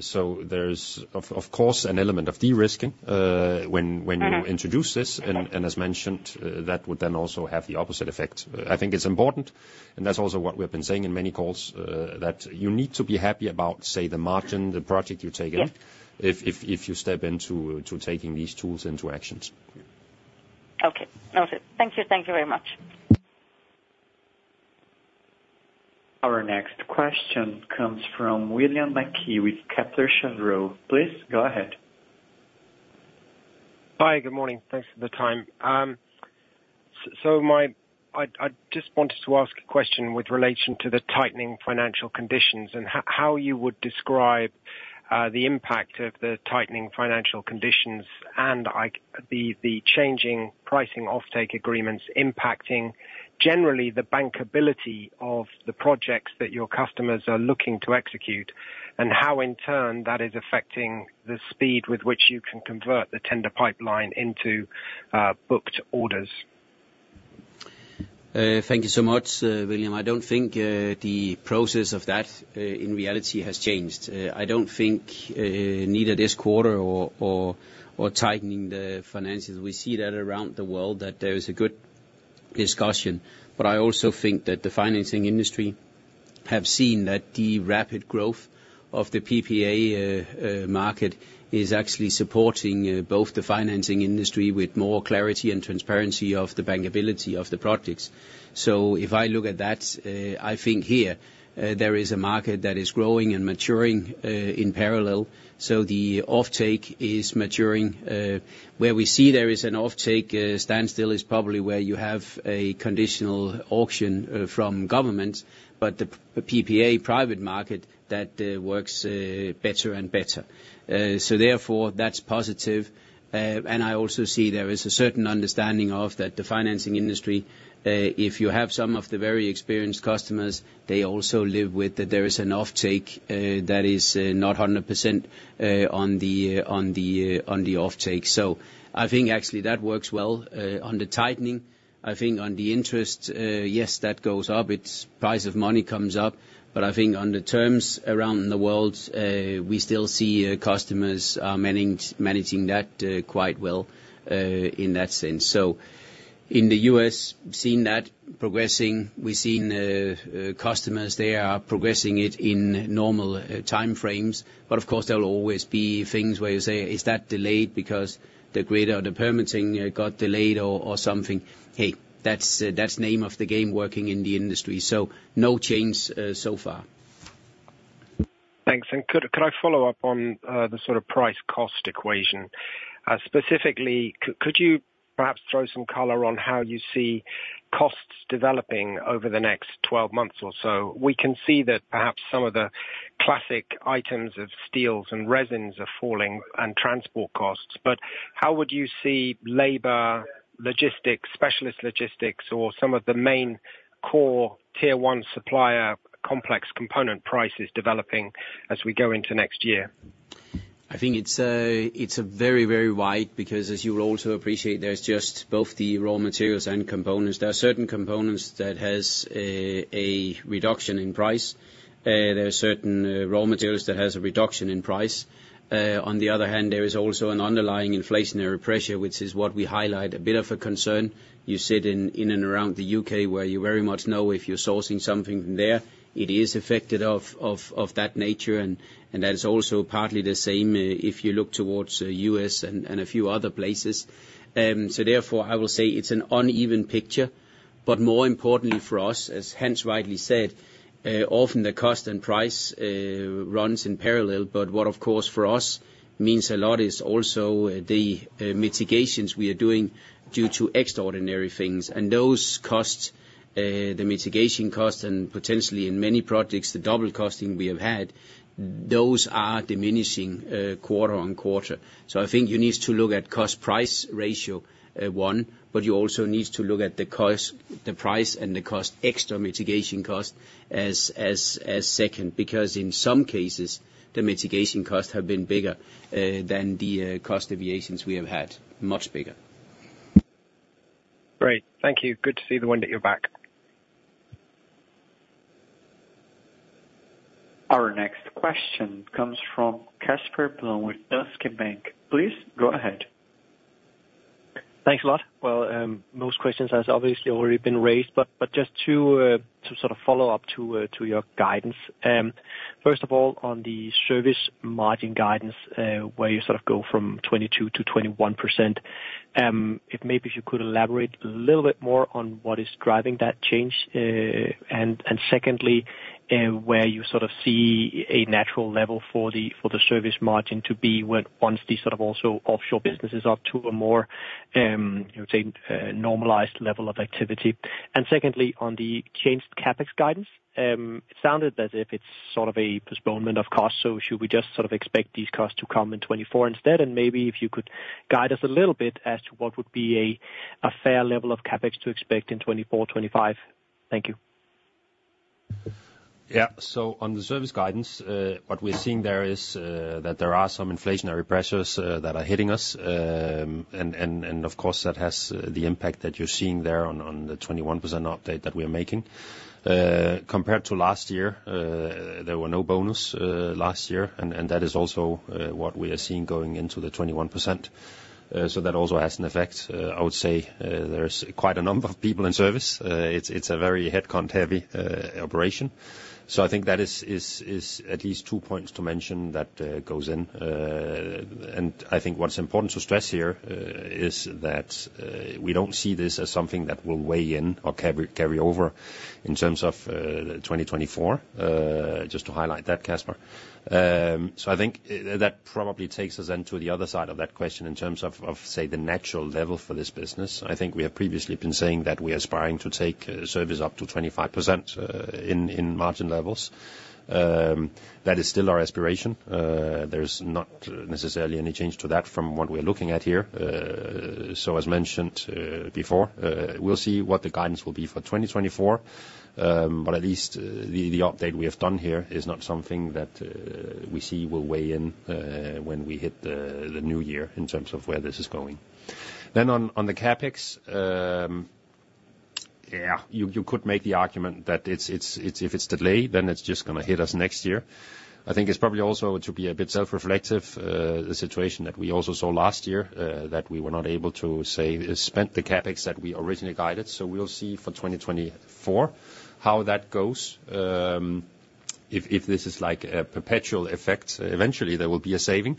So there's of course an element of de-risking when you introduce this. And as mentioned, that would then also have the opposite effect. I think it's important, and that's also what we have been saying in many calls, that you need to be happy about, say, the margin, the project you're taking- Yeah... if you step into taking these tools into actions. Okay. Okay. Thank you. Thank you very much. Our next question comes from William Mackie with Kepler Cheuvreux. Please go ahead. Hi, good morning. Thanks for the time. So, I just wanted to ask a question with relation to the tightening financial conditions, and how you would describe the impact of the tightening financial conditions, and, like, the changing pricing offtake agreements impacting, generally, the bankability of the projects that your customers are looking to execute, and how, in turn, that is affecting the speed with which you can convert the tender pipeline into booked orders? Thank you so much, William. I don't think the process of that in reality has changed. I don't think neither this quarter or tightening the finances, we see that around the world, that there is a good discussion. But I also think that the financing industry have seen that the rapid growth of the PPA market is actually supporting both the financing industry with more clarity and transparency of the bankability of the projects. So, if I look at that, I think here there is a market that is growing and maturing in parallel, so the offtake is maturing. Where we see there is an offtake standstill is probably where you have a conditional auction from government, but the PPA private market that works better and better. So therefore, that's positive. And I also see there is a certain understanding of that the financing industry, if you have some of the very experienced customers, they also live with that there is an offtake, that is, not 100%, on the offtake. So, I think actually that works well on the tightening. I think on the interest, yes, that goes up. It's price of money comes up. But I think on the terms around the world, we still see, customers, managing that, quite well, in that sense. So, in the U.S., we've seen that progressing. We've seen, customers, they are progressing it in normal, time frames. Of course, there will always be things where you say, "Is that delayed because the grid or the permitting got delayed or, or something?" Hey, that's the name of the game, working in the industry. No change so far. Thanks. Could I follow up on the sort of price-cost equation? Specifically, could you perhaps throw some color on how you see costs developing over the next 12 months or so? We can see that perhaps some of the classic items of steels and resins are falling, and transport costs, but how would you see labor, logistics, specialist logistics, or some of the main core Tier One supplier complex component prices developing as we go into next year?... I think it's a very, very wide, because as you will also appreciate, there's just both the raw materials and components. There are certain components that has a reduction in price. There are certain raw materials that has a reduction in price. On the other hand, there is also an underlying inflationary pressure, which is what we highlight a bit of a concern. You sit in and around the U.K., where you very much know if you're sourcing something from there, it is affected of that nature, and that is also partly the same if you look towards the U.S. and a few other places. So therefore, I will say it's an uneven picture. But more importantly for us, as Hans rightly said, often the cost and price runs in parallel. But what, of course, for us means a lot is also the mitigations we are doing due to extraordinary things. And those costs, the mitigation costs, and potentially in many projects, the double costing we have had, those are diminishing quarter on quarter. So I think you need to look at cost-price ratio one, but you also need to look at the cost, the price and the cost, extra mitigation cost, as second, because in some cases, the mitigation costs have been bigger than the cost variations we have had. Much bigger. Great. Thank you. Good to see the wind at your back. Our next question comes from Casper Blom with Danske Bank. Please go ahead. Thanks a lot. Well, most questions has obviously already been raised, but just to sort of follow up to your guidance. First of all, on the service margin guidance, where you sort of go from 22%-21%, if maybe if you could elaborate a little bit more on what is driving that change? And secondly, where you sort of see a natural level for the service margin to be when once these sort of also offshore businesses are up to a more, I would say, normalized level of activity. And secondly, on the changed CapEx guidance, it sounded as if it's sort of a postponement of costs, so should we just sort of expect these costs to come in 2024 instead? Maybe if you could guide us a little bit as to what would be a fair level of CapEx to expect in 2024, 2025. Thank you. Yeah. So, on the service guidance, what we're seeing there is that there are some inflationary pressures that are hitting us. And of course, that has the impact that you're seeing there on the 21% update that we are making. Compared to last year, there were no bonus last year, and that is also what we are seeing going into the 21%. So that also has an effect. I would say, there is quite a number of people in service. It's a very head count heavy operation. So, I think that is at least two points to mention that goes in. And I think what's important to stress here, is that we don't see this as something that will weigh in or carry, carry over in terms of, 2024. Just to highlight that, Casper. So, I think that probably takes us then to the other side of that question in terms of, of, say, the natural level for this business. I think we have previously been saying that we are aspiring to take service up to 25%, in margin levels. That is still our aspiration. There's not necessarily any change to that from what we're looking at here. So as mentioned, before, we'll see what the guidance will be for 2024, but at least the update we have done here is not something that we see will weigh in, when we hit the new year in terms of where this is going. Then on the CapEx, yeah, you could make the argument that it's, if it's delayed, then it's just gonna hit us next year. I think it's probably also to be a bit self-reflective, the situation that we also saw last year, that we were not able to spend the CapEx that we originally guided. So, we'll see for 2024 how that goes. If this is like a perpetual effect, eventually there will be a saving.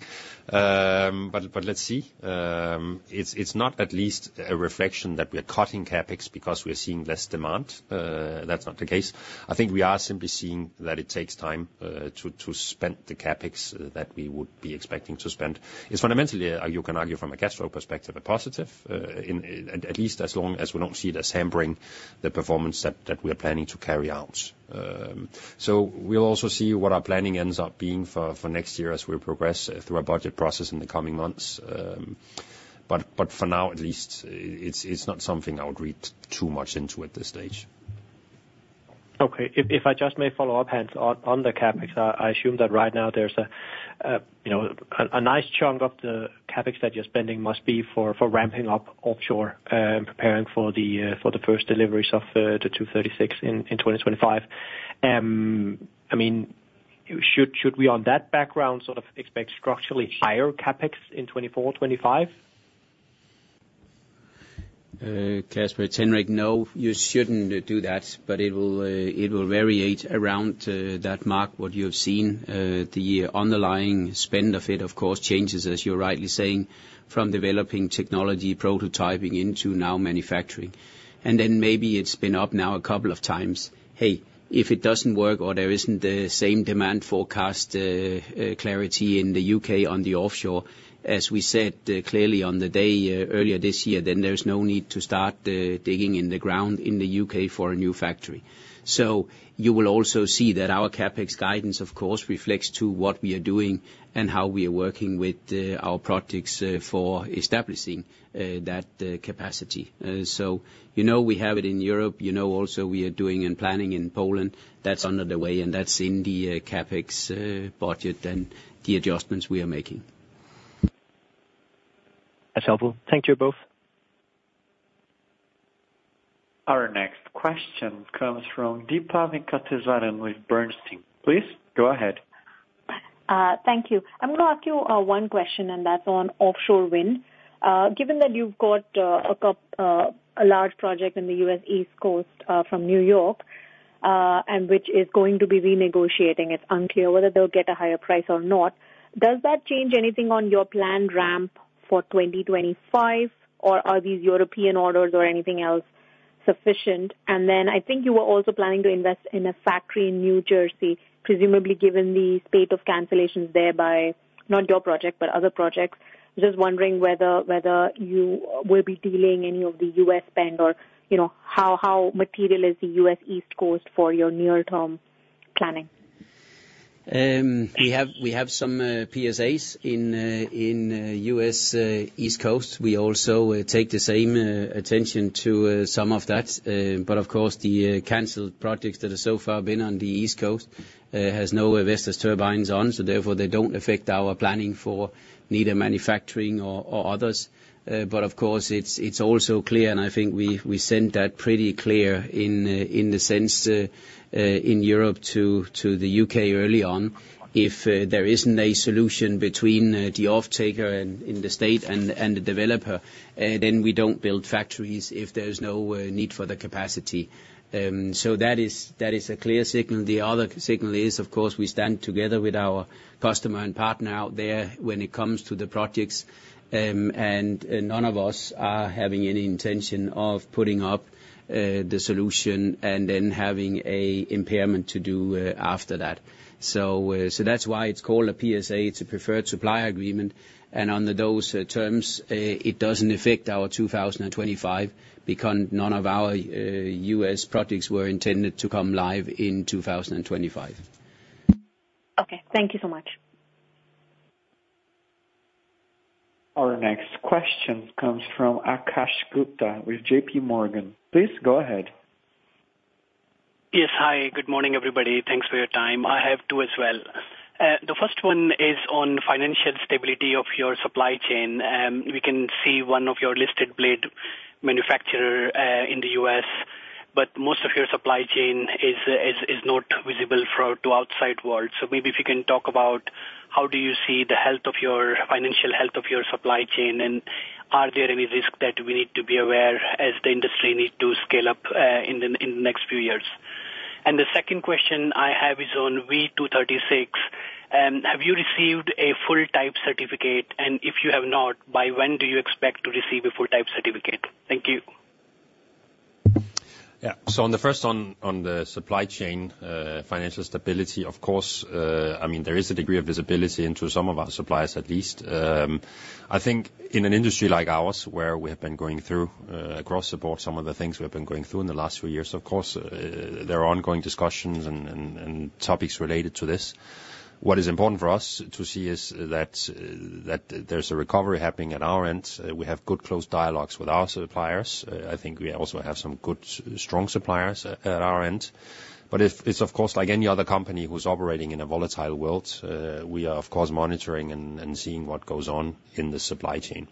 But let's see. It's not at least a reflection that we are cutting CapEx because we are seeing less demand. That's not the case. I think we are simply seeing that it takes time to spend the CapEx that we would be expecting to spend. It's fundamentally you can argue from a cash flow perspective, a positive. At least as long as we don't see it as hampering the performance that we are planning to carry out. So, we'll also see what our planning ends up being for next year as we progress through our budget process in the coming months. But for now, at least, it's not something I would read too much into at this stage. Okay. If I just may follow up, Hans, on the CapEx, I assume that right now there's a, you know, a nice chunk of the CapEx that you're spending must be for ramping up offshore, preparing for the first deliveries of the V236 in 2025. I mean, should we, on that background, sort of expect structurally higher CapEx in 2024, 2025? Casper Blom, no, you shouldn't do that, but it will, it will variate around that mark, what you have seen. The underlying spend of it, of course, changes, as you're rightly saying, from developing technology, prototyping into now manufacturing. And then maybe it's been up now a couple of times. Hey, if it doesn't work or there isn't the same demand forecast, clarity in the U.K. on the offshore, as we said, clearly on the day, earlier this year, then there's no need to start, digging in the ground in the U.K. for a new factory. So, you will also see that our CapEx guidance, of course, reflects to what we are doing and how we are working with, our projects, for establishing, that, capacity. So, you know we have it in Europe, you know also we are doing and planning in Poland. That's underway, and that's in the CapEx budget and the adjustments we are making. ... That's helpful. Thank you both. Our next question comes from Deepa Venkateswaran with Bernstein. Please go ahead. Thank you. I'm gonna ask you one question, and that's on offshore wind. Given that you've got a couple, a large project in the U.S. East Coast from New York, and which is going to be renegotiating, it's unclear whether they'll get a higher price or not. Does that change anything on your planned ramp for 2025, or are these European orders or anything else sufficient? And then I think you were also planning to invest in a factory in New Jersey, presumably given the state of cancellations there by not your project, but other projects. Just wondering whether you will be delaying any of the U.S. spend or, you know, how material is the U.S. East Coast for your near-term planning? We have some PSAs in the U.S. East Coast. We also take the same attention to some of that. But of course, the canceled projects that have so far been on the East Coast has no Vestas turbines on, so therefore they don't affect our planning for neither manufacturing or others. But of course, it's also clear, and I think we send that pretty clear in the sense in Europe to the U.K. early on. If there isn't a solution between the off taker and in the state and the developer, then we don't build factories if there's no need for the capacity. So that is a clear signal. The other signal is, of course, we stand together with our customer and partner out there when it comes to the projects, and none of us are having any intention of putting up the solution and then having a impairment to do after that. So, so that's why it's called a PSA. It's a Preferred Supplier Agreement, and under those terms, it doesn't affect our 2025 because none of our U.S. projects were intended to come live in 2025. Okay, thank you so much. Our next question comes from Akash Gupta with JP Morgan. Please go ahead. Yes. Hi, good morning, everybody. Thanks for your time. I have two as well. The first one is on financial stability of your supply chain. We can see one of your listed blade manufacturer in the U.S., but most of your supply chain is not visible to outside world. So maybe if you can talk about how do you see the financial health of your supply chain, and are there any risks that we need to be aware as the industry needs to scale up in the next few years? And the second question I have is on V236. Have you received a full type certificate? And if you have not, by when do you expect to receive a full type certificate? Thank you. Yeah. So, on the first, on the supply chain, financial stability, of course, I mean, there is a degree of visibility into some of our suppliers at least. I think in an industry like ours, where we have been going through, across the board, some of the things we have been going through in the last few years, of course, there are ongoing discussions and topics related to this. What is important for us to see is that there's a recovery happening at our end. We have good, close dialogues with our suppliers. I think we also have some good, strong suppliers at our end. But of course, like any other company who's operating in a volatile world, we are of course, monitoring and seeing what goes on in the supply chain.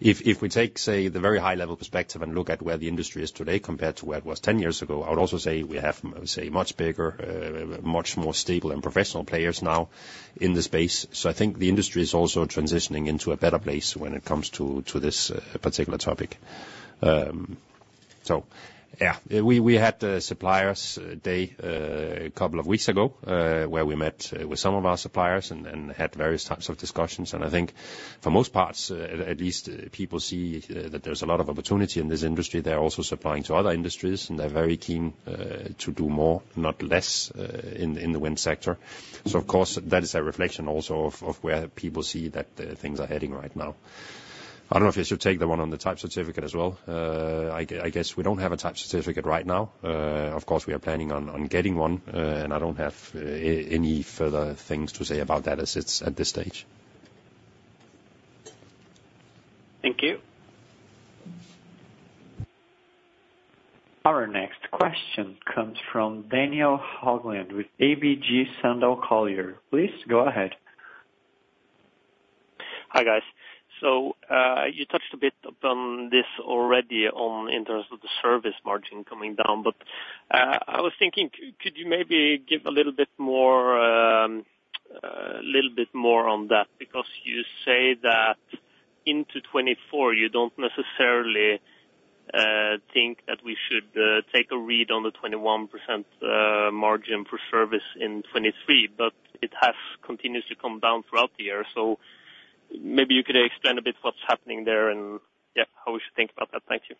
If we take, say, the very high-level perspective and look at where the industry is today compared to where it was 10 years ago, I would also say we have, say, much bigger, much more stable and professional players now in this space. So, I think the industry is also transitioning into a better place when it comes to this particular topic. So yeah, we had the suppliers day a couple of weeks ago, where we met with some of our suppliers and had various types of discussions. And I think for most parts, at least, people see that there's a lot of opportunity in this industry. They're also supplying to other industries, and they're very keen to do more, not less, in the wind sector. So of course, that is a reflection also of where people see that things are heading right now. I don't know if you should take the one on the type certificate as well. I guess we don't have a type certificate right now. Of course, we are planning on getting one, and I don't have any further things to say about that as it's at this stage. Thank you. Our next question comes from Daniel Haugland with ABG Sundal Collier. Please go ahead. Hi, guys. So, you touched a bit upon this already on in terms of the service margin coming down, but, I was thinking, could you maybe give a little bit more, a little bit more on that? Because you say that in 2024, you don't necessarily, think that we should, take a read on the 21% margin for service in 2023, but it has continued to come down throughout the year. So maybe you could explain a bit what's happening there, and yeah, how we should think about that. Thank you...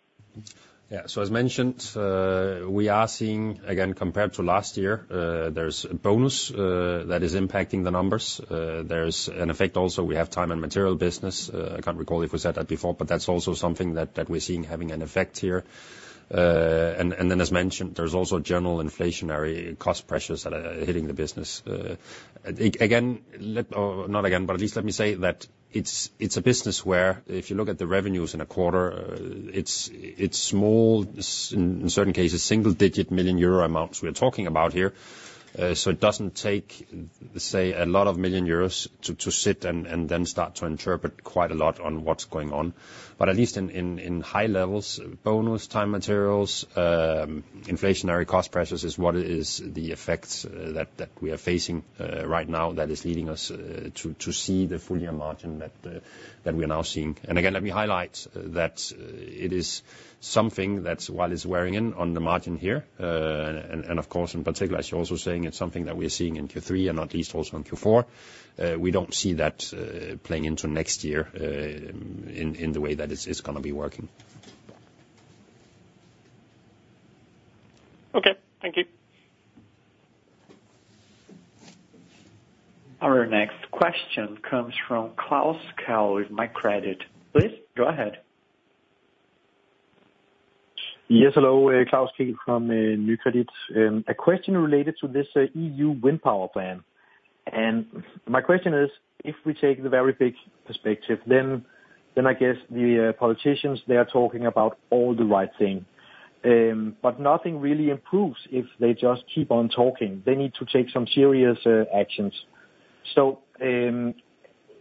Yeah, so as mentioned, we are seeing, again, compared to last year, there's a bonus that is impacting the numbers. There's an effect also, we have time and material business. I can't recall if we said that before, but that's also something that we're seeing having an effect here. And then as mentioned, there's also general inflationary cost pressures that are hitting the business. Again, or not again, but at least let me say that it's a business where if you look at the revenues in a quarter, it's small, in certain cases, single-digit million EUR amounts we're talking about here. So, it doesn't take, say, a lot of million Euros to sit and then start to interpret quite a lot on what's going on. But at least in high levels, bonus, time materials, inflationary cost pressures is what is the effects that that we are facing right now that is leading us to see the full year margin that we are now seeing. And again, let me highlight that it is something that's, while it's wearing in on the margin here, and of course, in particular, as you're also saying, it's something that we're seeing in Q3 and not least also in Q4. We don't see that playing into next year in the way that it's gonna be working. Okay, thank you. Our next question comes from Klaus Kehl with Nykredit. Please, go ahead. Yes, hello. Klaus Kehl from Nykredit. A question related to this EU Wind Power Plan. And my question is, if we take the very big perspective, then I guess the politicians, they are talking about all the right thing. But nothing really improves if they just keep on talking. They need to take some serious actions. So, can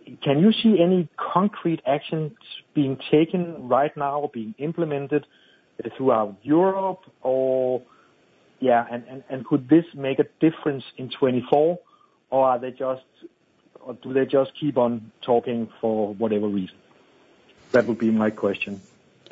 you see any concrete actions being taken right now, being implemented throughout Europe? Or, yeah, and could this make a difference in 2024, or are they just or do they just keep on talking for whatever reason? That would be my question.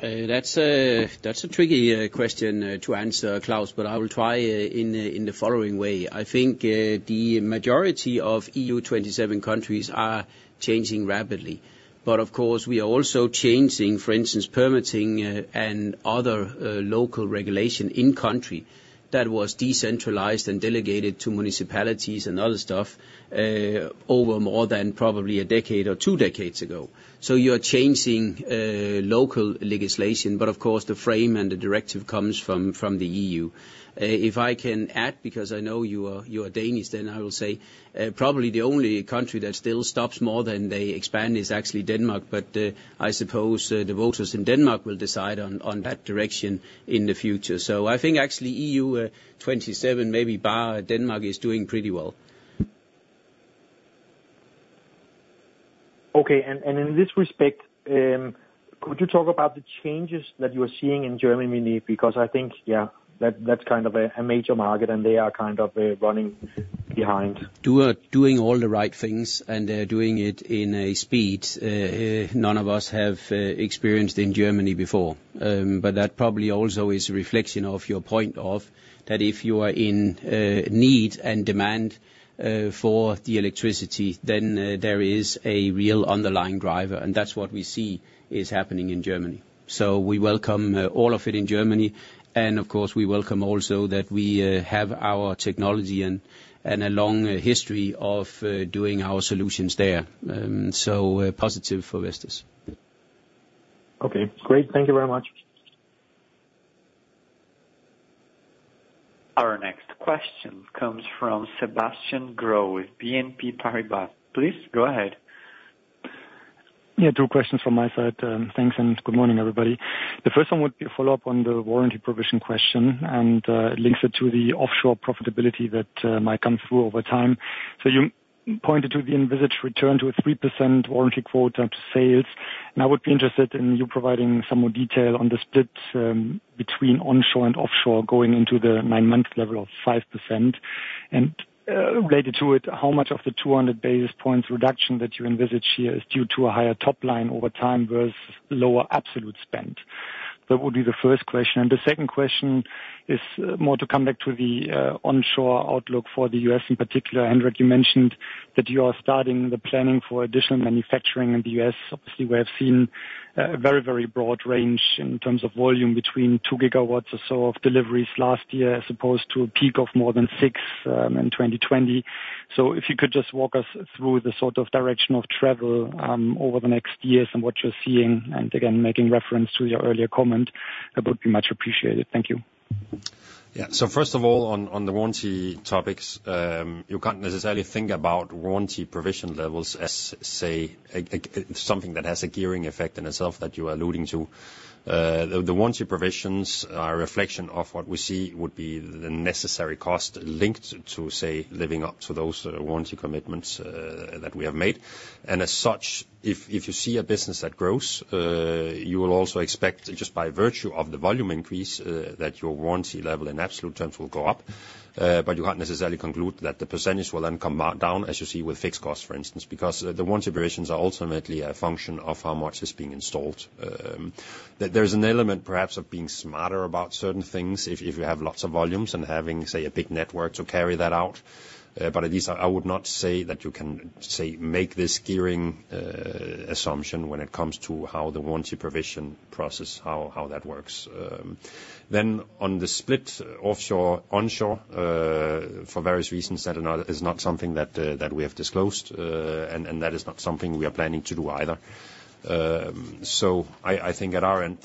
That's a, that's a tricky question to answer, Klaus, but I will try in the following way. I think the majority of EU 27 countries are changing rapidly. But of course, we are also changing, for instance, permitting and other local regulation in country that was decentralized and delegated to municipalities and other stuff over more than probably a decade or two decades ago. So, you are changing local legislation, but of course, the frame and the directive comes from the EU. If I can add, because I know you are, you are Danish, then I will say probably the only country that still stops more than they expand is actually Denmark, but I suppose the voters in Denmark will decide on that direction in the future. I think actually, EU 27, maybe bar Denmark, is doing pretty well. Okay. And in this respect, could you talk about the changes that you are seeing in Germany? Because I think, yeah, that's kind of a major market, and they are kind of running behind. Doing all the right things, and they're doing it in a speed none of us have experienced in Germany before. But that probably also is a reflection of your point, that if you are in need and demand for the electricity, then there is a real underlying driver, and that's what we see is happening in Germany. So, we welcome all of it in Germany, and of course, we welcome also that we have our technology and a long history of doing our solutions there. So, positive for Vestas. Okay, great. Thank you very much. Our next question comes from Sebastian Growe with BNP Paribas. Please, go ahead. Yeah, two questions from my side. Thanks, and good morning, everybody. The first one would be a follow-up on the warranty provision question, and it links it to the offshore profitability that might come through over time. So, you pointed to the envisaged return to a 3% warranty quote after sales, and I would be interested in you providing some more detail on the split between onshore and offshore, going into the nine-month level of 5%. And related to it, how much of the 200 basis points reduction that you envisage here is due to a higher top line over time versus lower absolute spend? That would be the first question. And the second question is more to come back to the onshore outlook for the U.S. in particular. Henrik, you mentioned that you are starting the planning for additional manufacturing in the U.S. Obviously, we have seen a very, very broad range in terms of volume between 2 GW or so of deliveries last year, as opposed to a peak of more than six in 2020. So, if you could just walk us through the sort of direction of travel over the next years and what you're seeing, and again, making reference to your earlier comment, that would be much appreciated. Thank you. Yeah. So, first of all, on the warranty topics, you can't necessarily think about warranty provision levels as, say, a something that has a gearing effect in itself that you are alluding to. The warranty provisions are a reflection of what we see would be the necessary cost linked to, say, living up to those warranty commitments that we have made. And as such, if you see a business that grows, you will also expect, just by virtue of the volume increase, that your warranty level in absolute terms will go up. But you can't necessarily conclude that the percentage will then come back down, as you see with fixed costs, for instance, because the warranty provisions are ultimately a function of how much is being installed. There's an element, perhaps, of being smarter about certain things, if you have lots of volumes and having, say, a big network to carry that out. But at least I would not say that you can say make this gearing assumption when it comes to how the warranty provision process, how that works. Then on the split offshore, onshore, for various reasons, that is not something that we have disclosed. And that is not something we are planning to do either. So I think at our end,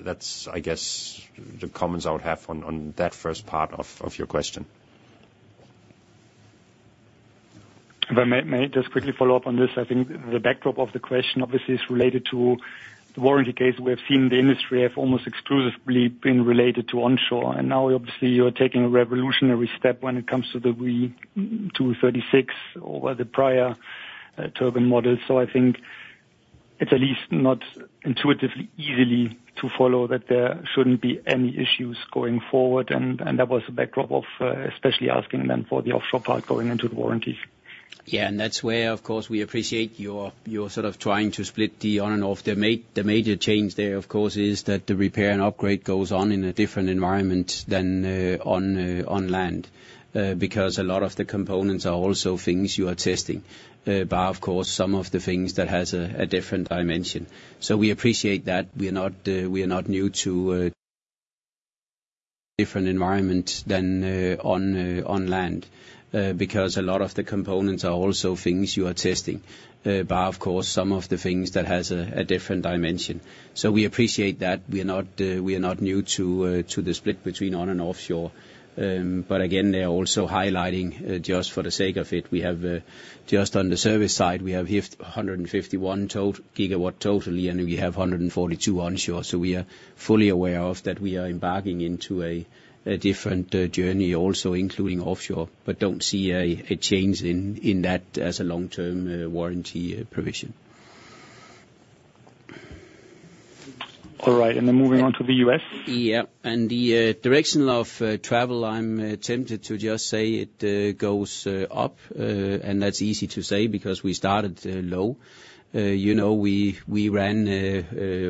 that's, I guess, the comments I would have on that first part of your question. ... If I may, may just quickly follow up on this. I think the backdrop of the question obviously is related to the warranty case. We have seen the industry have almost exclusively been related to onshore, and now obviously you're taking a revolutionary step when it comes to the V236 or the prior, turbine model. So, I think it's at least not intuitively easily to follow that there shouldn't be any issues going forward, and, and that was the backdrop of, especially asking then for the offshore part going into the warranty. Yeah, and that's where, of course, we appreciate you're sort of trying to split the on and off. The major change there, of course, is that the repair and upgrade goes on in a different environment than on land. Because a lot of the components are also things you are testing. But of course, some of the things that has a different dimension. So, we appreciate that. We are not new to different environments than on land, because a lot of the components are also things you are testing. But of course, some of the things that has a different dimension. So, we appreciate that, we are not new to the split between on and offshore. But again, they're also highlighting, just for the sake of it, we have, just on the service side, we have 151 GW total, and we have 142 GW onshore. So we are fully aware of that we are embarking into a different journey, also including offshore, but don't see a change in that as a long-term warranty provision. All right. And then moving on to the U.S.? Yeah. And the direction of travel, I'm tempted to just say it, goes up. And that's easy to say because we started low. You know, we ran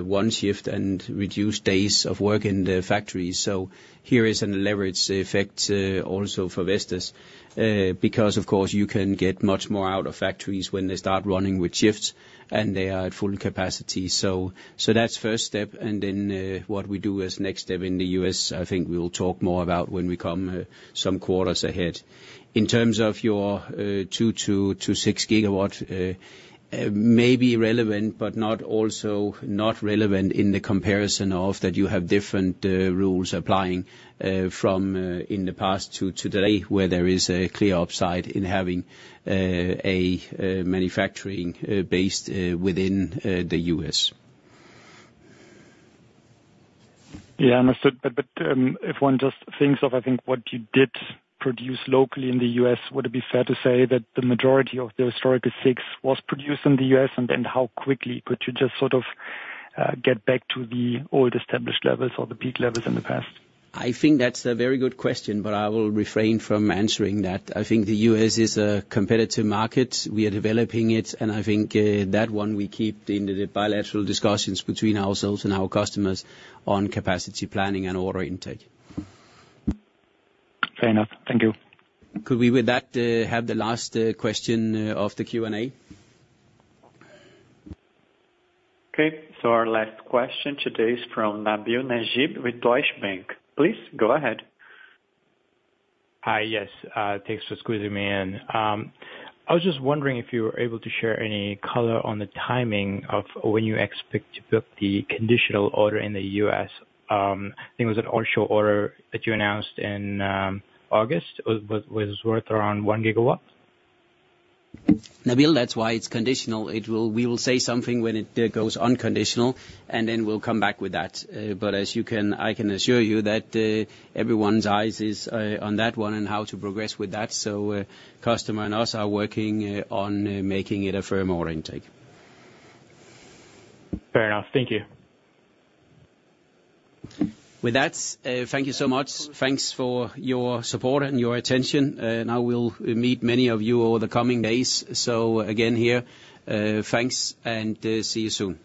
one shift and reduced days of work in the factory. So, here is a leverage effect also for Vestas. Because, of course, you can get much more out of factories when they start running with shifts, and they are at full capacity. So that's first step, and then what we do as next step in the U.S., I think we will talk more about when we come some quarters ahead. In terms of your 2-6 GW, may be relevant, but not also not relevant in the comparison of that you have different rules applying from in the past to today, where there is a clear upside in having a manufacturing based within the U.S. Yeah, understood. But if one just thinks of, I think, what you did produce locally in the U.S., would it be fair to say that the majority of the historically six was produced in the U.S.? And then how quickly could you just sort of get back to the old established levels or the peak levels in the past? I think that's a very good question, but I will refrain from answering that. I think the U.S. is a competitive market. We are developing it, and I think, that one we keep in the bilateral discussions between ourselves and our customers on capacity planning and order intake. Fair enough. Thank you. Could we with that have the last question of the Q&A? Okay. So, our last question today is from Nabil Najeeb with Deutsche Bank. Please go ahead. Hi. Yes, thanks for squeezing me in. I was just wondering if you were able to share any color on the timing of when you expect to book the conditional order in the U.S. I think it was an onshore order that you announced in August was worth around 1 gigawatt. Nabil, that's why it's conditional. We will say something when it goes unconditional, and then we'll come back with that. But I can assure you that everyone's eyes is on that one and how to progress with that. So, customer and us are working on making it a firm order intake. Fair enough. Thank you. With that, thank you so much. Thanks for your support and your attention, and I will meet many of you over the coming days. So again, here, thanks and, see you soon.